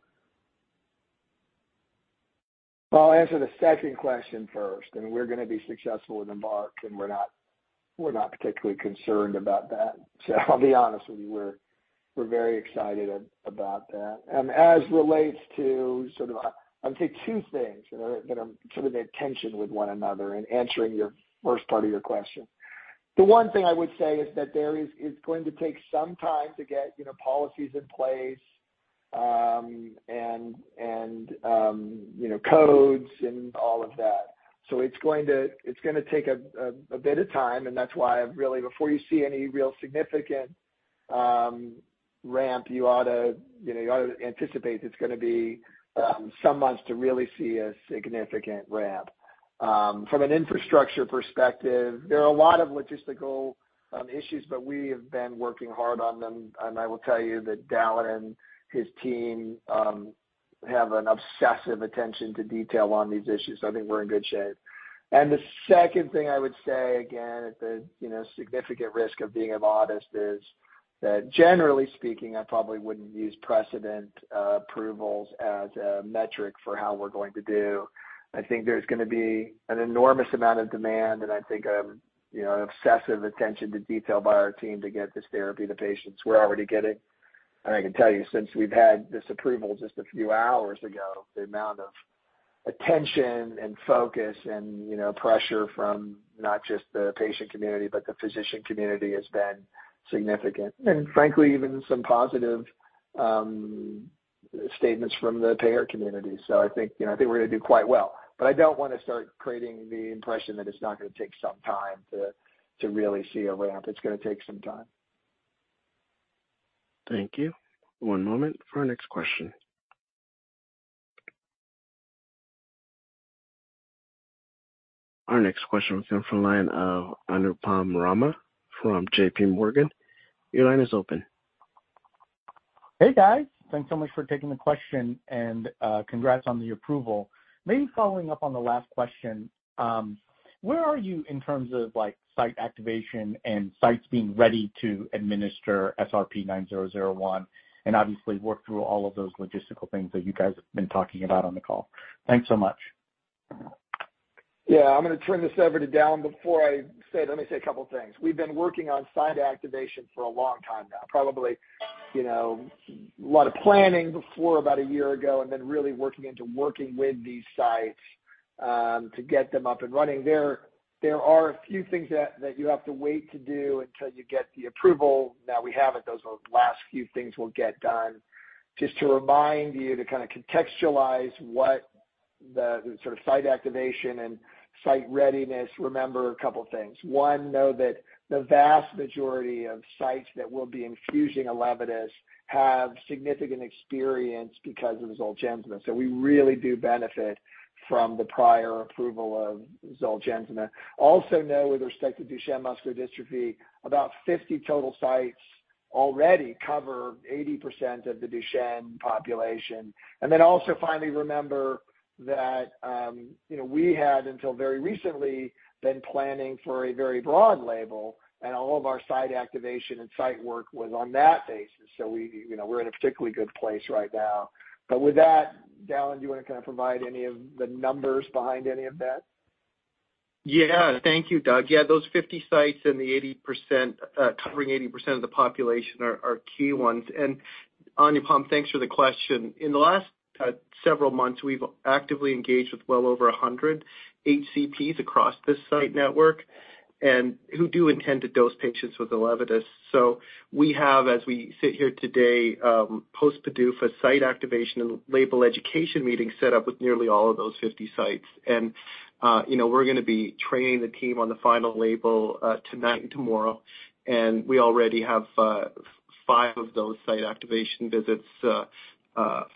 Well, I'll answer the second question first, and we're gonna be successful with EMBARK, and we're not particularly concerned about that. I'll be honest with you, we're very excited about that. As relates to sort of, I'd say two things that are sort of in tension with one another in answering your first part of your question. The one thing I would say is that there is, it's going to take some time to get, you know, policies in place, and, you know, codes and all of that. It's gonna take a bit of time, and that's why really before you see any real significant ramp, you ought to, you know, you ought to anticipate it's gonna be some months to really see a significant ramp. From an infrastructure perspective, there are a lot of logistical issues, but we have been working hard on them, and I will tell you that Dalen and his team have an obsessive attention to detail on these issues, so I think we're in good shape. The second thing I would say, again, at the, you know, significant risk of being immodest, is that generally speaking, I probably wouldn't use precedent approvals as a metric for how we're going to do. I think there's gonna be an enormous amount of demand, and I think, you know, obsessive attention to detail by our team to get this therapy to patients. We're already getting... I can tell you, since we've had this approval just a few hours ago, the amount of attention and focus and, you know, pressure from not just the patient community, but the physician community, has been significant. Frankly, even some positive statements from the payer community. I think, you know, I think we're gonna do quite well, but I don't wanna start creating the impression that it's not gonna take some time to really see a ramp. It's gonna take some time. Thank you. One moment for our next question. Our next question will come from the line of Anupam Rama from JP Morgan. Your line is open. Hey, guys. Thanks so much for taking the question, and congrats on the approval. Maybe following up on the last question, where are you in terms of, like, site activation and sites being ready to administer SRP-9001, and obviously work through all of those logistical things that you guys have been talking about on the call? Thanks so much. Yeah, I'm gonna turn this over to Dalen. Let me say a couple things. We've been working on site activation for a long time now. Probably, you know, a lot of planning before about a year ago, and then really working into working with these sites to get them up and running. There are a few things that you have to wait to do until you get the approval. Now that we have it, those last few things will get done. Just to remind you, to kind of contextualize what the sort of site activation and site readiness, remember a couple things. One, know that the vast majority of sites that will be infusing ELEVIDYS have significant experience because of Zolgensma, so we really do benefit from the prior approval of Zolgensma. Know with respect to Duchenne muscular dystrophy, about 50 total sites already cover 80% of the Duchenne population. Finally, remember that, you know, we had, until very recently, been planning for a very broad label, and all of our site activation and site work was on that basis. We, you know, we're in a particularly good place right now. With that, Dalen, do you want to kind of provide any of the numbers behind any of that? Yeah. Thank you, Doug. Yeah, those 50 sites and the 80%, covering 80% of the population are key ones. Anupam, thanks for the question. In the last several months, we've actively engaged with well over 100 HCPs across this site network and who do intend to dose patients with ELEVIDYS. We have, as we sit here today, post PDUFA site activation and label education meetings set up with nearly all of those 50 sites. You know, we're gonna be training the team on the final label tonight and tomorrow. We already have 5 of those site activation visits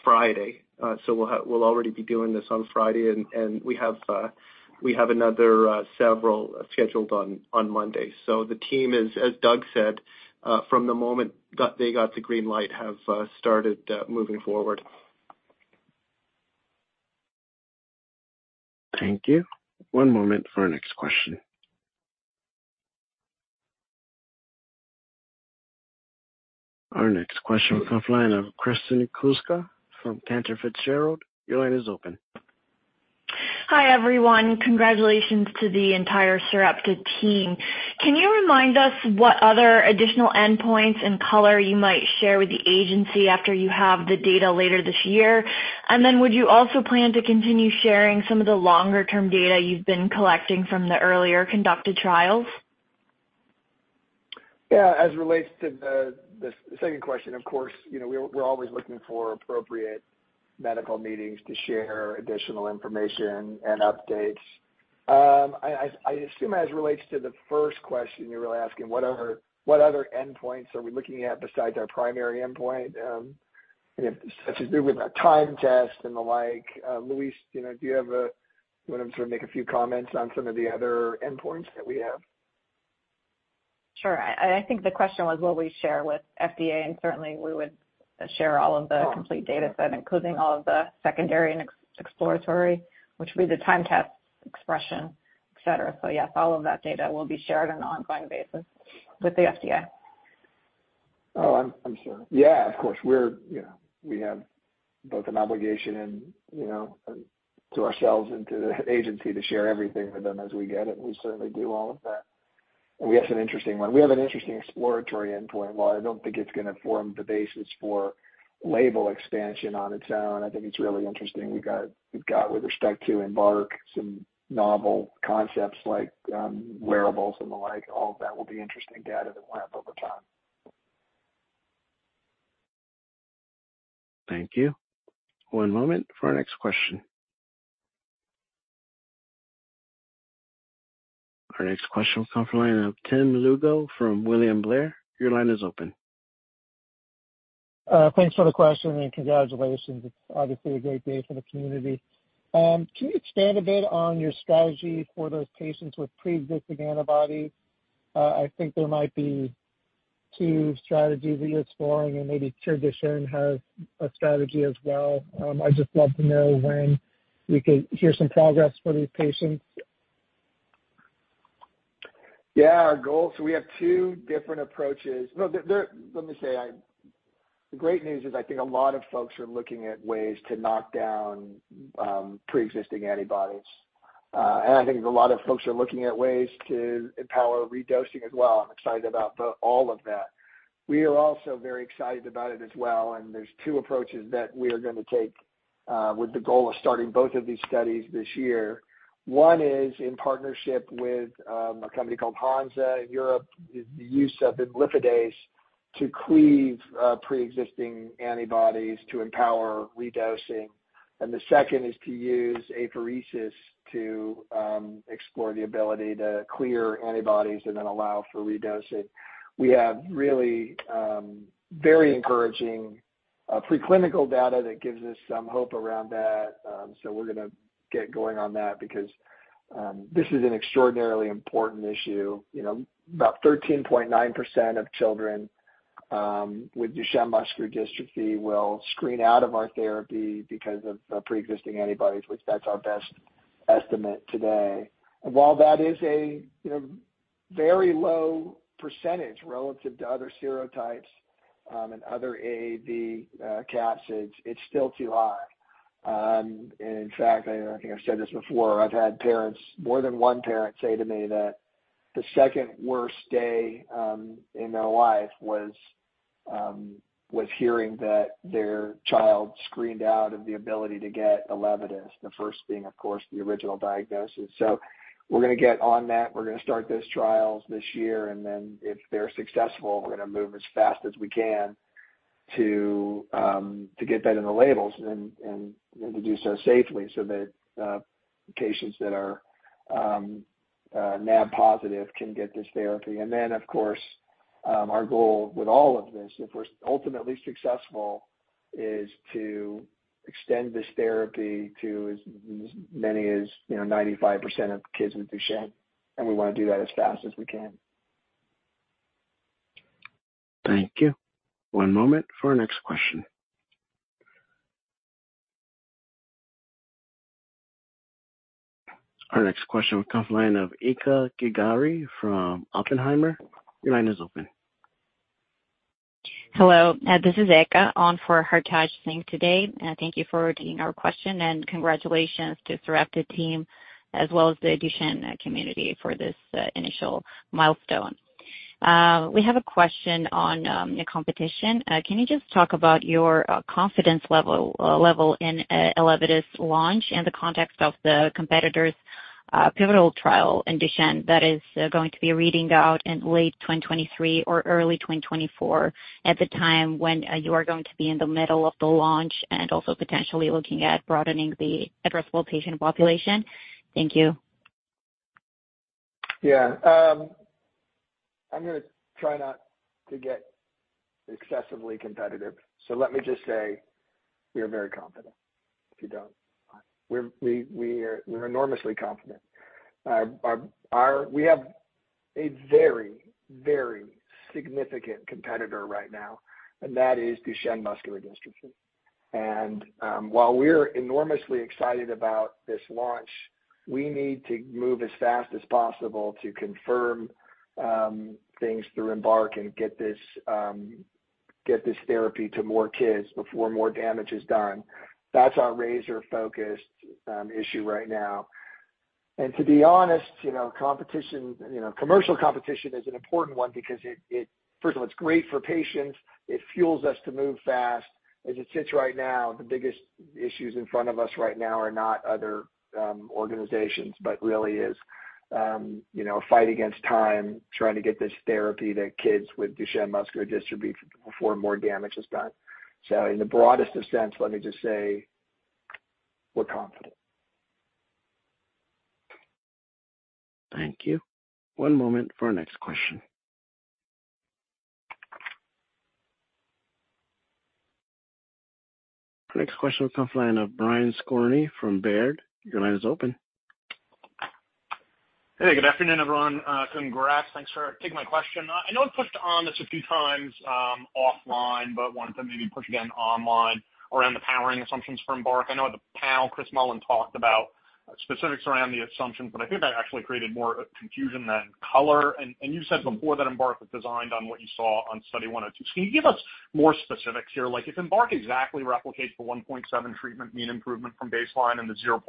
Friday. We'll already be doing this on Friday. We have another several scheduled on Monday. The team is, as Doug said, from the moment that they got the green light, have started moving forward. Thank you. One moment for our next question. Our next question will come from the line of Kristen Kluska from Cantor Fitzgerald. Your line is open. Hi, everyone. Congratulations to the entire Sarepta team. Can you remind us what other additional endpoints and color you might share with the agency after you have the data later this year? Would you also plan to continue sharing some of the longer-term data you've been collecting from the earlier conducted trials? Yeah, as it relates to the second question, of course, you know, we're always looking for appropriate medical meetings to share additional information and updates. I assume as it relates to the first question, you're really asking, what other endpoints are we looking at besides our primary endpoint? If such to do with a time test and the like, Louise, you know, You want to sort of make a few comments on some of the other endpoints that we have? Sure. I think the question was will we share with FDA, and certainly we would share all of the complete data set, including all of the secondary and exploratory, which would be the time test expression, et cetera. Yes, all of that data will be shared on an ongoing basis with the FDA. Oh, I'm sure. Yeah, of course, we're, you know, we have both an obligation and, you know, to ourselves and to the agency to share everything with them as we get it, and we certainly do all of that. We have an interesting one. We have an interesting exploratory endpoint. While I don't think it's gonna form the basis for label expansion on its own, I think it's really interesting. We've got with respect to EMBARK, some novel concepts like wearables and the like. All of that will be interesting data that we'll have over time. Thank you. One moment for our next question. Our next question will come from the line of Tim Lugo from William Blair. Your line is open. Thanks for the question, and congratulations. It's obviously a great day for the community. Can you expand a bit on your strategy for those patients with preexisting antibodies? I think there might be two strategies that you're exploring, and maybe CureDuchenne has a strategy as well. I'd just love to know when we could hear some progress for these patients. Our goal... We have two different approaches. No, let me say, I, the great news is I think a lot of folks are looking at ways to knock down preexisting antibodies. I think a lot of folks are looking at ways to empower redosing as well. I'm excited about the, all of that. We are also very excited about it as well, and there's two approaches that we are gonna take with the goal of starting both of these studies this year. One is in partnership with a company called Hansa in Europe, the use of Imlifidase to cleave preexisting antibodies to empower redosing. The second is to use apheresis to explore the ability to clear antibodies and then allow for redosing. We have really very encouraging preclinical data that gives us some hope around that. So we're gonna get going on that because this is an extraordinarily important issue. You know, about 13.9% of children with Duchenne muscular dystrophy will screen out of our therapy because of the preexisting antibodies, which that's our best estimate today. While that is a, you know, very low percentage relative to other serotypes and other AAV capsids, it's still too high. In fact, I think I've said this before, I've had parents, more than one parent say to me that the second worst day in their life was hearing that their child screened out of the ability to get ELEVIDYS. The first being, of course, the original diagnosis. We're gonna get on that. We're gonna start those trials this year, and then if they're successful, we're gonna move as fast as we can to get that in the labels and to do so safely so that patients that are NAB positive can get this therapy. Of course, our goal with all of this, if we're ultimately successful, is to extend this therapy to as many as, you know, 95% of kids with Duchenne, and we want to do that as fast as we can. Thank you. One moment for our next question. Our next question will come from the line of Eka Gigari from Oppenheimer. Your line is open. Hello, this is Eka, on for Hartaj Singh today, and thank you for taking our question, and congratulations to Sarepta team, as well as the Duchenne community for this initial milestone. We have a question on your competition. Can you just talk about your confidence level in ELEVIDYS launch in the context of the competitors pivotal trial in Duchenne that is going to be reading out in late 2023 or early 2024, at the time when you are going to be in the middle of the launch and also potentially looking at broadening the addressable patient population? Thank you. Yeah, I'm gonna try not to get excessively competitive, so let me just say we are very confident, if you don't. We're enormously confident. Our. We have a very, very significant competitor right now, and that is Duchenne muscular dystrophy. While we're enormously excited about this launch, we need to move as fast as possible to confirm things through EMBARK and get this therapy to more kids before more damage is done. That's our razor-focused issue right now. To be honest, you know, competition, you know, commercial competition is an important one because it first of all, it's great for patients. It fuels us to move fast. As it sits right now, the biggest issues in front of us right now are not other organizations, but really is, you know, a fight against time, trying to get this therapy to kids with Duchenne muscular dystrophy before more damage is done. In the broadest of sense, let me just say, we're confident. Thank you. One moment for our next question. Our next question will come from the line of Brian Skorney from Baird. Your line is open. Hey, good afternoon, everyone. Congrats. Thanks for taking my question. I know I've pushed on this a few times, offline, but wanted to maybe push again online around the powering assumptions for EMBARK. I know the panel, Chris Mullen, talked about specifics around the assumptions, but I think that actually created more confusion than color. You said before that EMBARK was designed on what you saw on Study 102. Can you give us more specifics here? Like, if EMBARK exactly replicates the 1.7 treatment mean improvement from baseline and the 0.9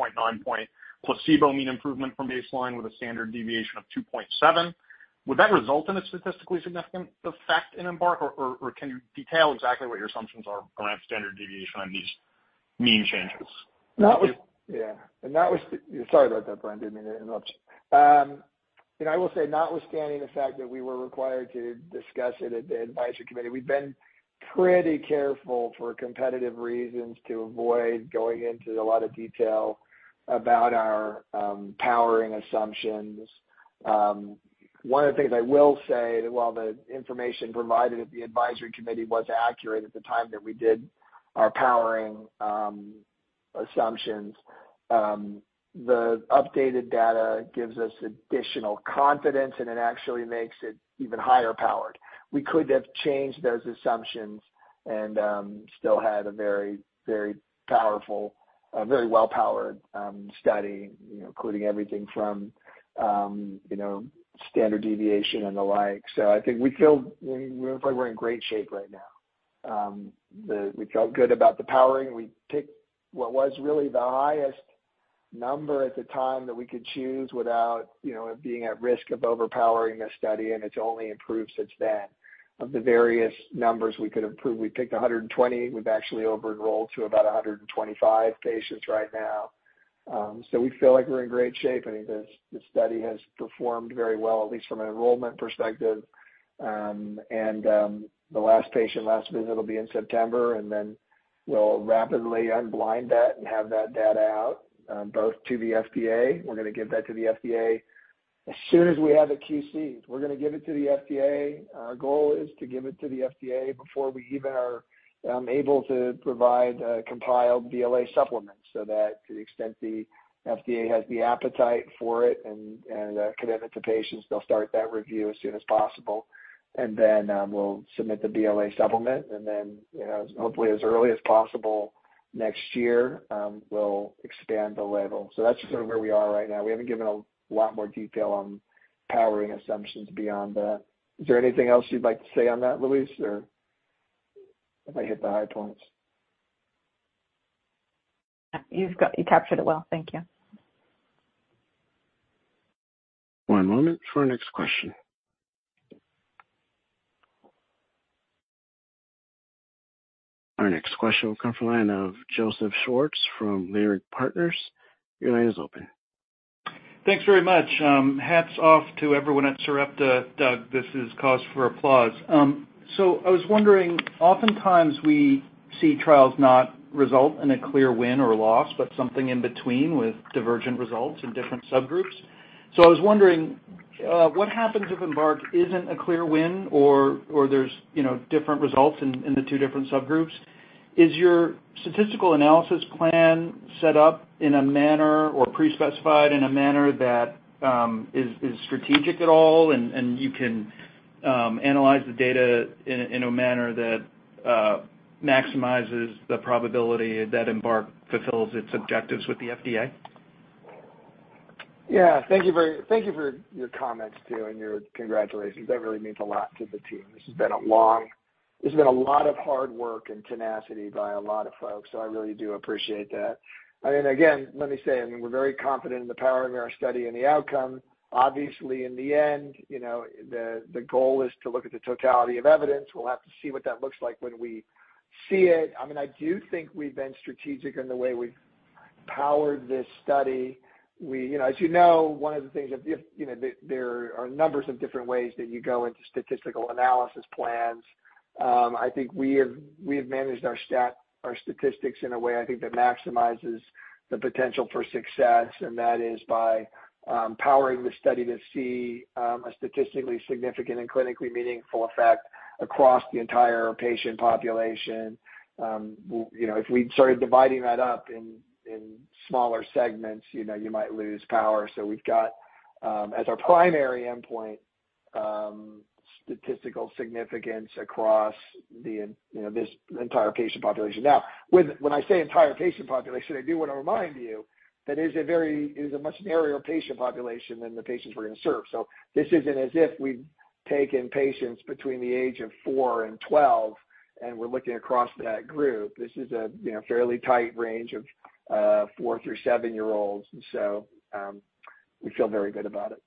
point placebo mean improvement from baseline with a standard deviation of 2.7, would that result in a statistically significant effect in EMBARK? Or can you detail exactly what your assumptions are around standard deviation on these mean changes? Yeah, and that was. Sorry about that, Brian. Didn't mean to interrupt. you know, I will say, notwithstanding the fact that we were required to discuss it at the advisory committee, we've been pretty careful for competitive reasons to avoid going into a lot of detail about our powering assumptions. One of the things I will say, while the information provided at the advisory committee was accurate at the time that we did our powering assumptions, the updated data gives us additional confidence, and it actually makes it even higher powered. We could have changed those assumptions and still had a very powerful, a very well-powered study, you know, including everything from you know, standard deviation and the like. I think we feel we're in great shape right now. We felt good about the powering. We picked what was really the highest number at the time that we could choose without, you know, it being at risk of overpowering the study. It's only improved since then. Of the various numbers we could improve, we picked 120. We've actually over-enrolled to about 125 patients right now. We feel like we're in great shape, and I think the study has performed very well, at least from an enrollment perspective. The last patient, last visit will be in September, then we'll rapidly unblind that and have that data out, both to the FDA. We're gonna give that to the FDA as soon as we have it QC'd. We're gonna give it to the FDA. Our goal is to give it to the FDA before we even are able to provide a compiled BLA supplement, so that to the extent the FDA has the appetite for it and a commitment to patients, they'll start that review as soon as possible. Then, we'll submit the BLA supplement, and then, you know, hopefully, as early as possible next year, we'll expand the label. That's sort of where we are right now. We haven't given a lot more detail on powering assumptions beyond that. Is there anything else you'd like to say on that, Louise, or I hit the high points? You captured it well. Thank you. One moment for our next question. Our next question will come from the line of Joseph Schwartz, from Leerink Partners. Your line is open. Thanks very much. Hats off to everyone at Sarepta. Doug, this is cause for applause. I was wondering, oftentimes we see trials not result in a clear win or loss, but something in between with divergent results in different subgroups. I was wondering, what happens if EMBARK isn't a clear win or there's, you know, different results in the two different subgroups? Is your statistical analysis plan set up in a manner or pre-specified in a manner that is strategic at all, and you can analyze the data in a manner that maximizes the probability that EMBARK fulfills its objectives with the FDA? Yeah. Thank you for your comments, too, and your congratulations. That really means a lot to the team. This has been a lot of hard work and tenacity by a lot of folks, so I really do appreciate that. I mean, again, let me say, I mean, we're very confident in the powering of our study and the outcome. Obviously, in the end, you know, the goal is to look at the totality of evidence. We'll have to see what that looks like when we see it. I mean, I do think we've been strategic in the way we've powered this study. We, you know, as you know, one of the things that, you know, there are numbers of different ways that you go into statistical analysis plans. I think we have managed our statistics in a way I think that maximizes the potential for success, and that is by powering the study to see a statistically significant and clinically meaningful effect across the entire patient population. You know, if we started dividing that up in smaller segments, you know, you might lose power. We've got as our primary endpoint, statistical significance across the, you know, this entire patient population. With, when I say entire patient population, I do want to remind you that it is a very, it is a much narrower patient population than the patients we're going to serve. This isn't as if we've taken patients between the age of 4 and 12, and we're looking across that group. This is a, you know, fairly tight range of, four through seven-year-olds, and so, we feel very good about it.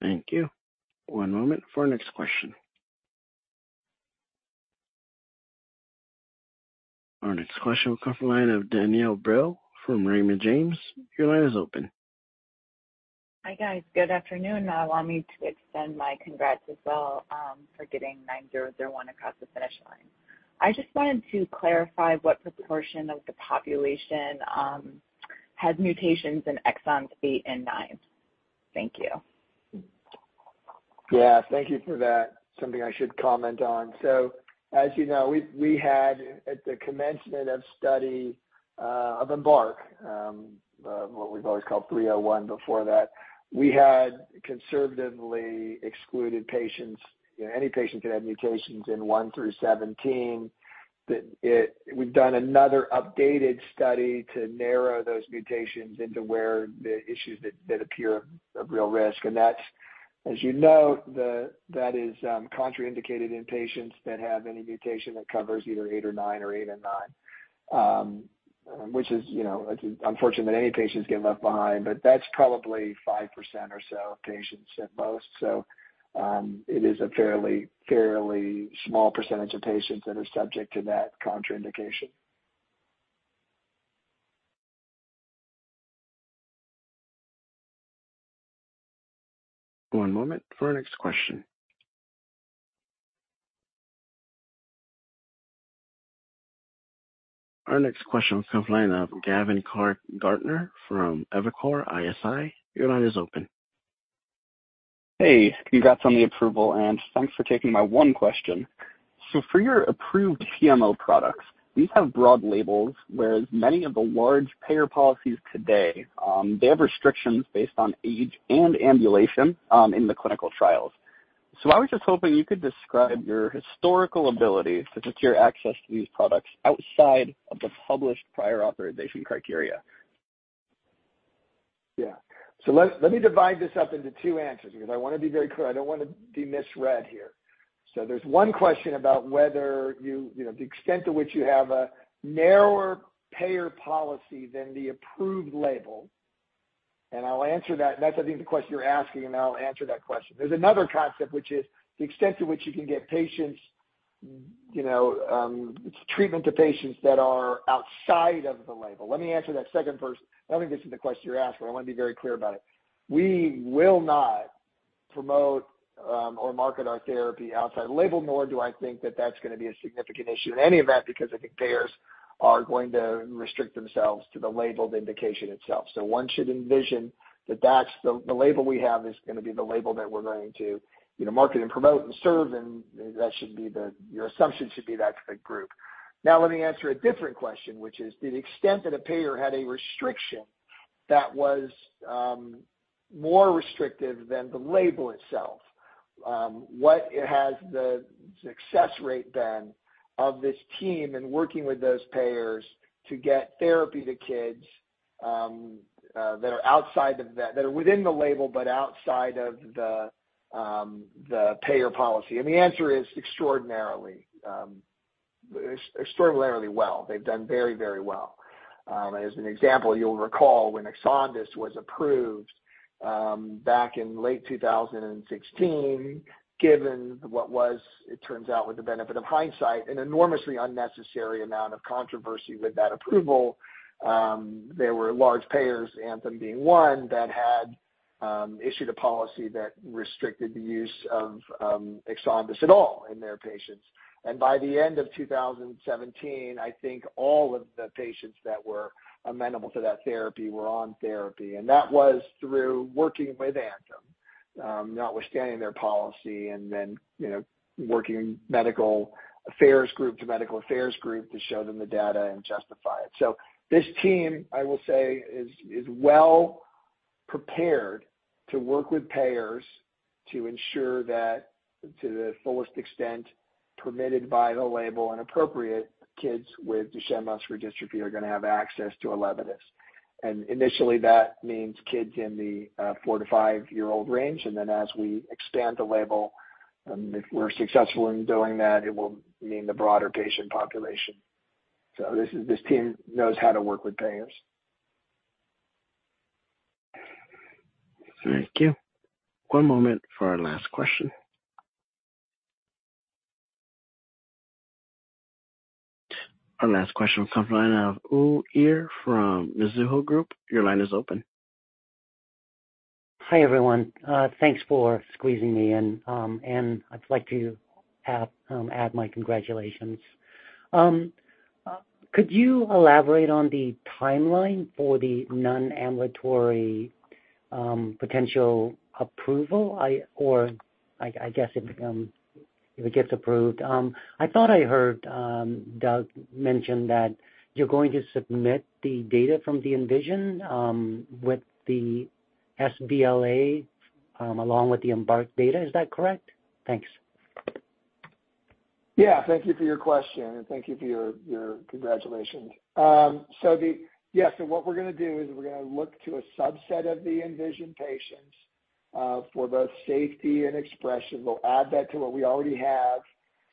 Thank you. One moment for our next question. Our next question will come from the line of Danielle Brill from Raymond James. Your line is open. Hi, guys. Good afternoon. Allow me to extend my congrats as well, for getting SRP-9001 across the finish line. I just wanted to clarify what proportion of the population has mutations in exons B and 9. Thank you. Yeah, thank you for that. Something I should comment on. As you know, we had at the commencement of study of EMBARK, what we've always called 301 before that, we had conservatively excluded patients, you know, any patient that had mutations in 1 through 17. We've done another updated study to narrow those mutations into where the issues that appear of real risk, and that's, as you know, contraindicated in patients that have any mutation that covers either 8 or 9 or 8 and 9. Which is, you know, it's unfortunate that any patients get left behind, but that's probably 5% or so of patients at most. It is a fairly small percentage of patients that are subject to that contraindication. One moment for our next question. Our next question comes line of Gavin Clark-Gartner from Evercore ISI. Your line is open. Hey, congrats on the approval, and thanks for taking my one question. For your approved HMO products, these have broad labels, whereas many of the large payer policies today, they have restrictions based on age and ambulation in the clinical trials. I was just hoping you could describe your historical ability to secure access to these products outside of the published prior authorization criteria. Yeah. Let me divide this up into two answers because I want to be very clear. I don't want to be misread here. There's one question about whether you know, the extent to which you have a narrower payer policy than the approved label. I'll answer that. That's, I think, the question you're asking, and I'll answer that question. There's another concept, which is the extent to which you can get patients, you know, treatment to patients that are outside of the label. Let me answer that second first. I think this is the question you're asking, I want to be very clear about it. We will not promote or market our therapy outside the label, nor do I think that that's going to be a significant issue in any event, because I think payers are going to restrict themselves to the labeled indication itself. One should envision that that's the label we have is going to be the label that we're going to, you know, market and promote and serve, and that should be the. Your assumption should be that group. Let me answer a different question, which is, to the extent that a payer had a restriction that was more restrictive than the label itself, what has the success rate then of this team in working with those payers to get therapy to kids that are within the label, but outside of the payer policy? The answer is extraordinarily well. They've done very, very well. As an example, you'll recall when EXONDYS was approved back in late 2016, given what was, it turns out, with the benefit of hindsight, an enormously unnecessary amount of controversy with that approval, there were large payers, Anthem being one, that had issued a policy that restricted the use of EXONDYS at all in their patients. By the end of 2017, I think all of the patients that were amenable to that therapy were on therapy, and that was through working with Anthem, notwithstanding their policy and then, you know, working medical affairs group to medical affairs group to show them the data and justify it. This team, I will say, is well prepared to work with payers to ensure that, to the fullest extent permitted by the label and appropriate kids with Duchenne muscular dystrophy are going to have access to ELEVIDYS. Initially, that means kids in the 4 to 5-year-old range. Then as we expand the label, and if we're successful in doing that, it will mean the broader patient population. This team knows how to work with payers. Thank you. One moment for our last question. Our last question comes from the line of Uy Ear from Mizuho Securities. Your line is open. Hi, everyone, thanks for squeezing me in. I'd like to add my congratulations. Could you elaborate on the timeline for the nonambulatory potential approval? I guess it, if it gets approved, I thought I heard Doug mention that you're going to submit the data from the ENVISION with the sBLA along with the EMBARK data. Is that correct? Thanks. Yeah, thank you for your question, and thank you for your congratulations. yes, so what we're gonna do is we're gonna look to a subset of the ENVISION patients, for both safety and expression. We'll add that to what we already have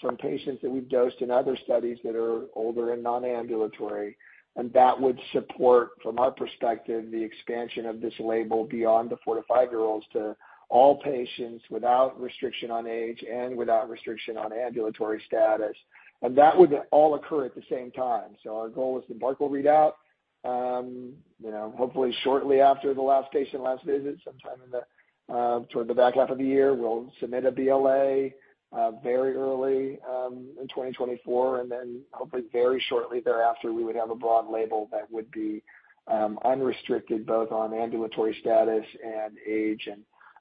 from patients that we've dosed in other studies that are older and nonambulatory, and that would support, from our perspective, the expansion of this label beyond the four to five-year-olds, to all patients without restriction on age and without restriction on ambulatory status. That would all occur at the same time. Our goal is the EMBARK will read out, you know, hopefully shortly after the last patient, last visit, sometime in the, toward the back half of the year. We'll submit a BLA, very early in 2024, then hopefully very shortly thereafter, we would have a broad label that would be unrestricted both on ambulatory status and age.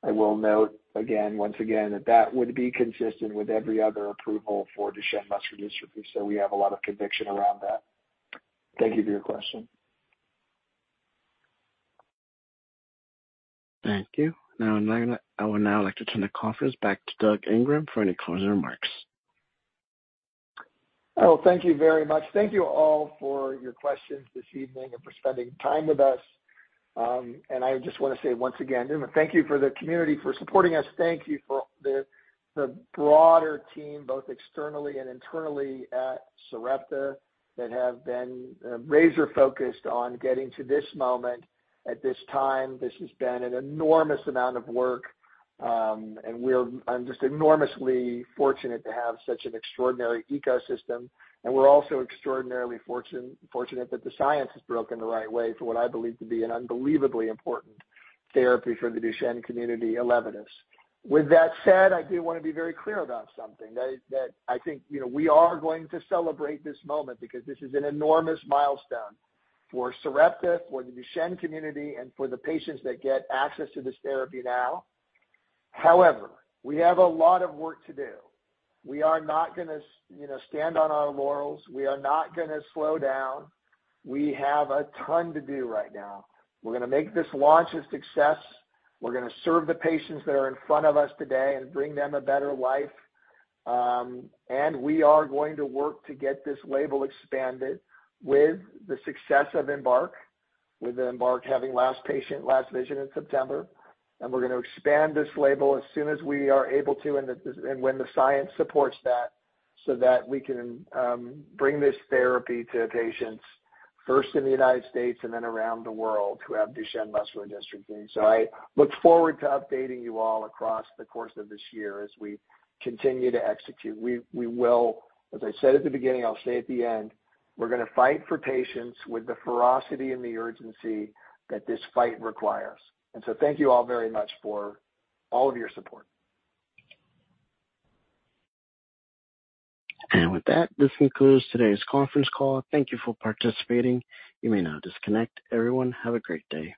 I will note once again that that would be consistent with every other approval for Duchenne muscular dystrophy. We have a lot of conviction around that. Thank you for your question. Thank you. I will now like to turn the conference back to Doug Ingram for any closing remarks. Oh, thank you very much. Thank you all for your questions this evening and for spending time with us. I just wanna say once again, thank you for the community, for supporting us. Thank you for the broader team, both externally and internally, at Sarepta, that have been razor-focused on getting to this moment. At this time, this has been an enormous amount of work. I'm just enormously fortunate to have such an extraordinary ecosystem. We're also extraordinarily fortunate that the science has broken the right way for what I believe to be an unbelievably important therapy for the Duchenne community, ELEVIDYS. With that said, I do wanna be very clear about something, that I think, you know, we are going to celebrate this moment because this is an enormous milestone for Sarepta, for the Duchenne community, and for the patients that get access to this therapy now. However, we have a lot of work to do. We are not gonna you know, stand on our laurels. We are not gonna slow down. We have a ton to do right now. We're gonna make this launch a success. We're gonna serve the patients that are in front of us today and bring them a better life. We are going to work to get this label expanded with the success of EMBARK, having last patient, last vision in September. We're gonna expand this label as soon as we are able to, and when the science supports that, so that we can bring this therapy to patients first in the United States and then around the world, who have Duchenne muscular dystrophy. I look forward to updating you all across the course of this year as we continue to execute. We will, as I said at the beginning, I'll say at the end, we're gonna fight for patients with the ferocity and the urgency that this fight requires. Thank you all very much for all of your support. With that, this concludes today's conference call. Thank you for participating. You may now disconnect. Everyone, have a great day.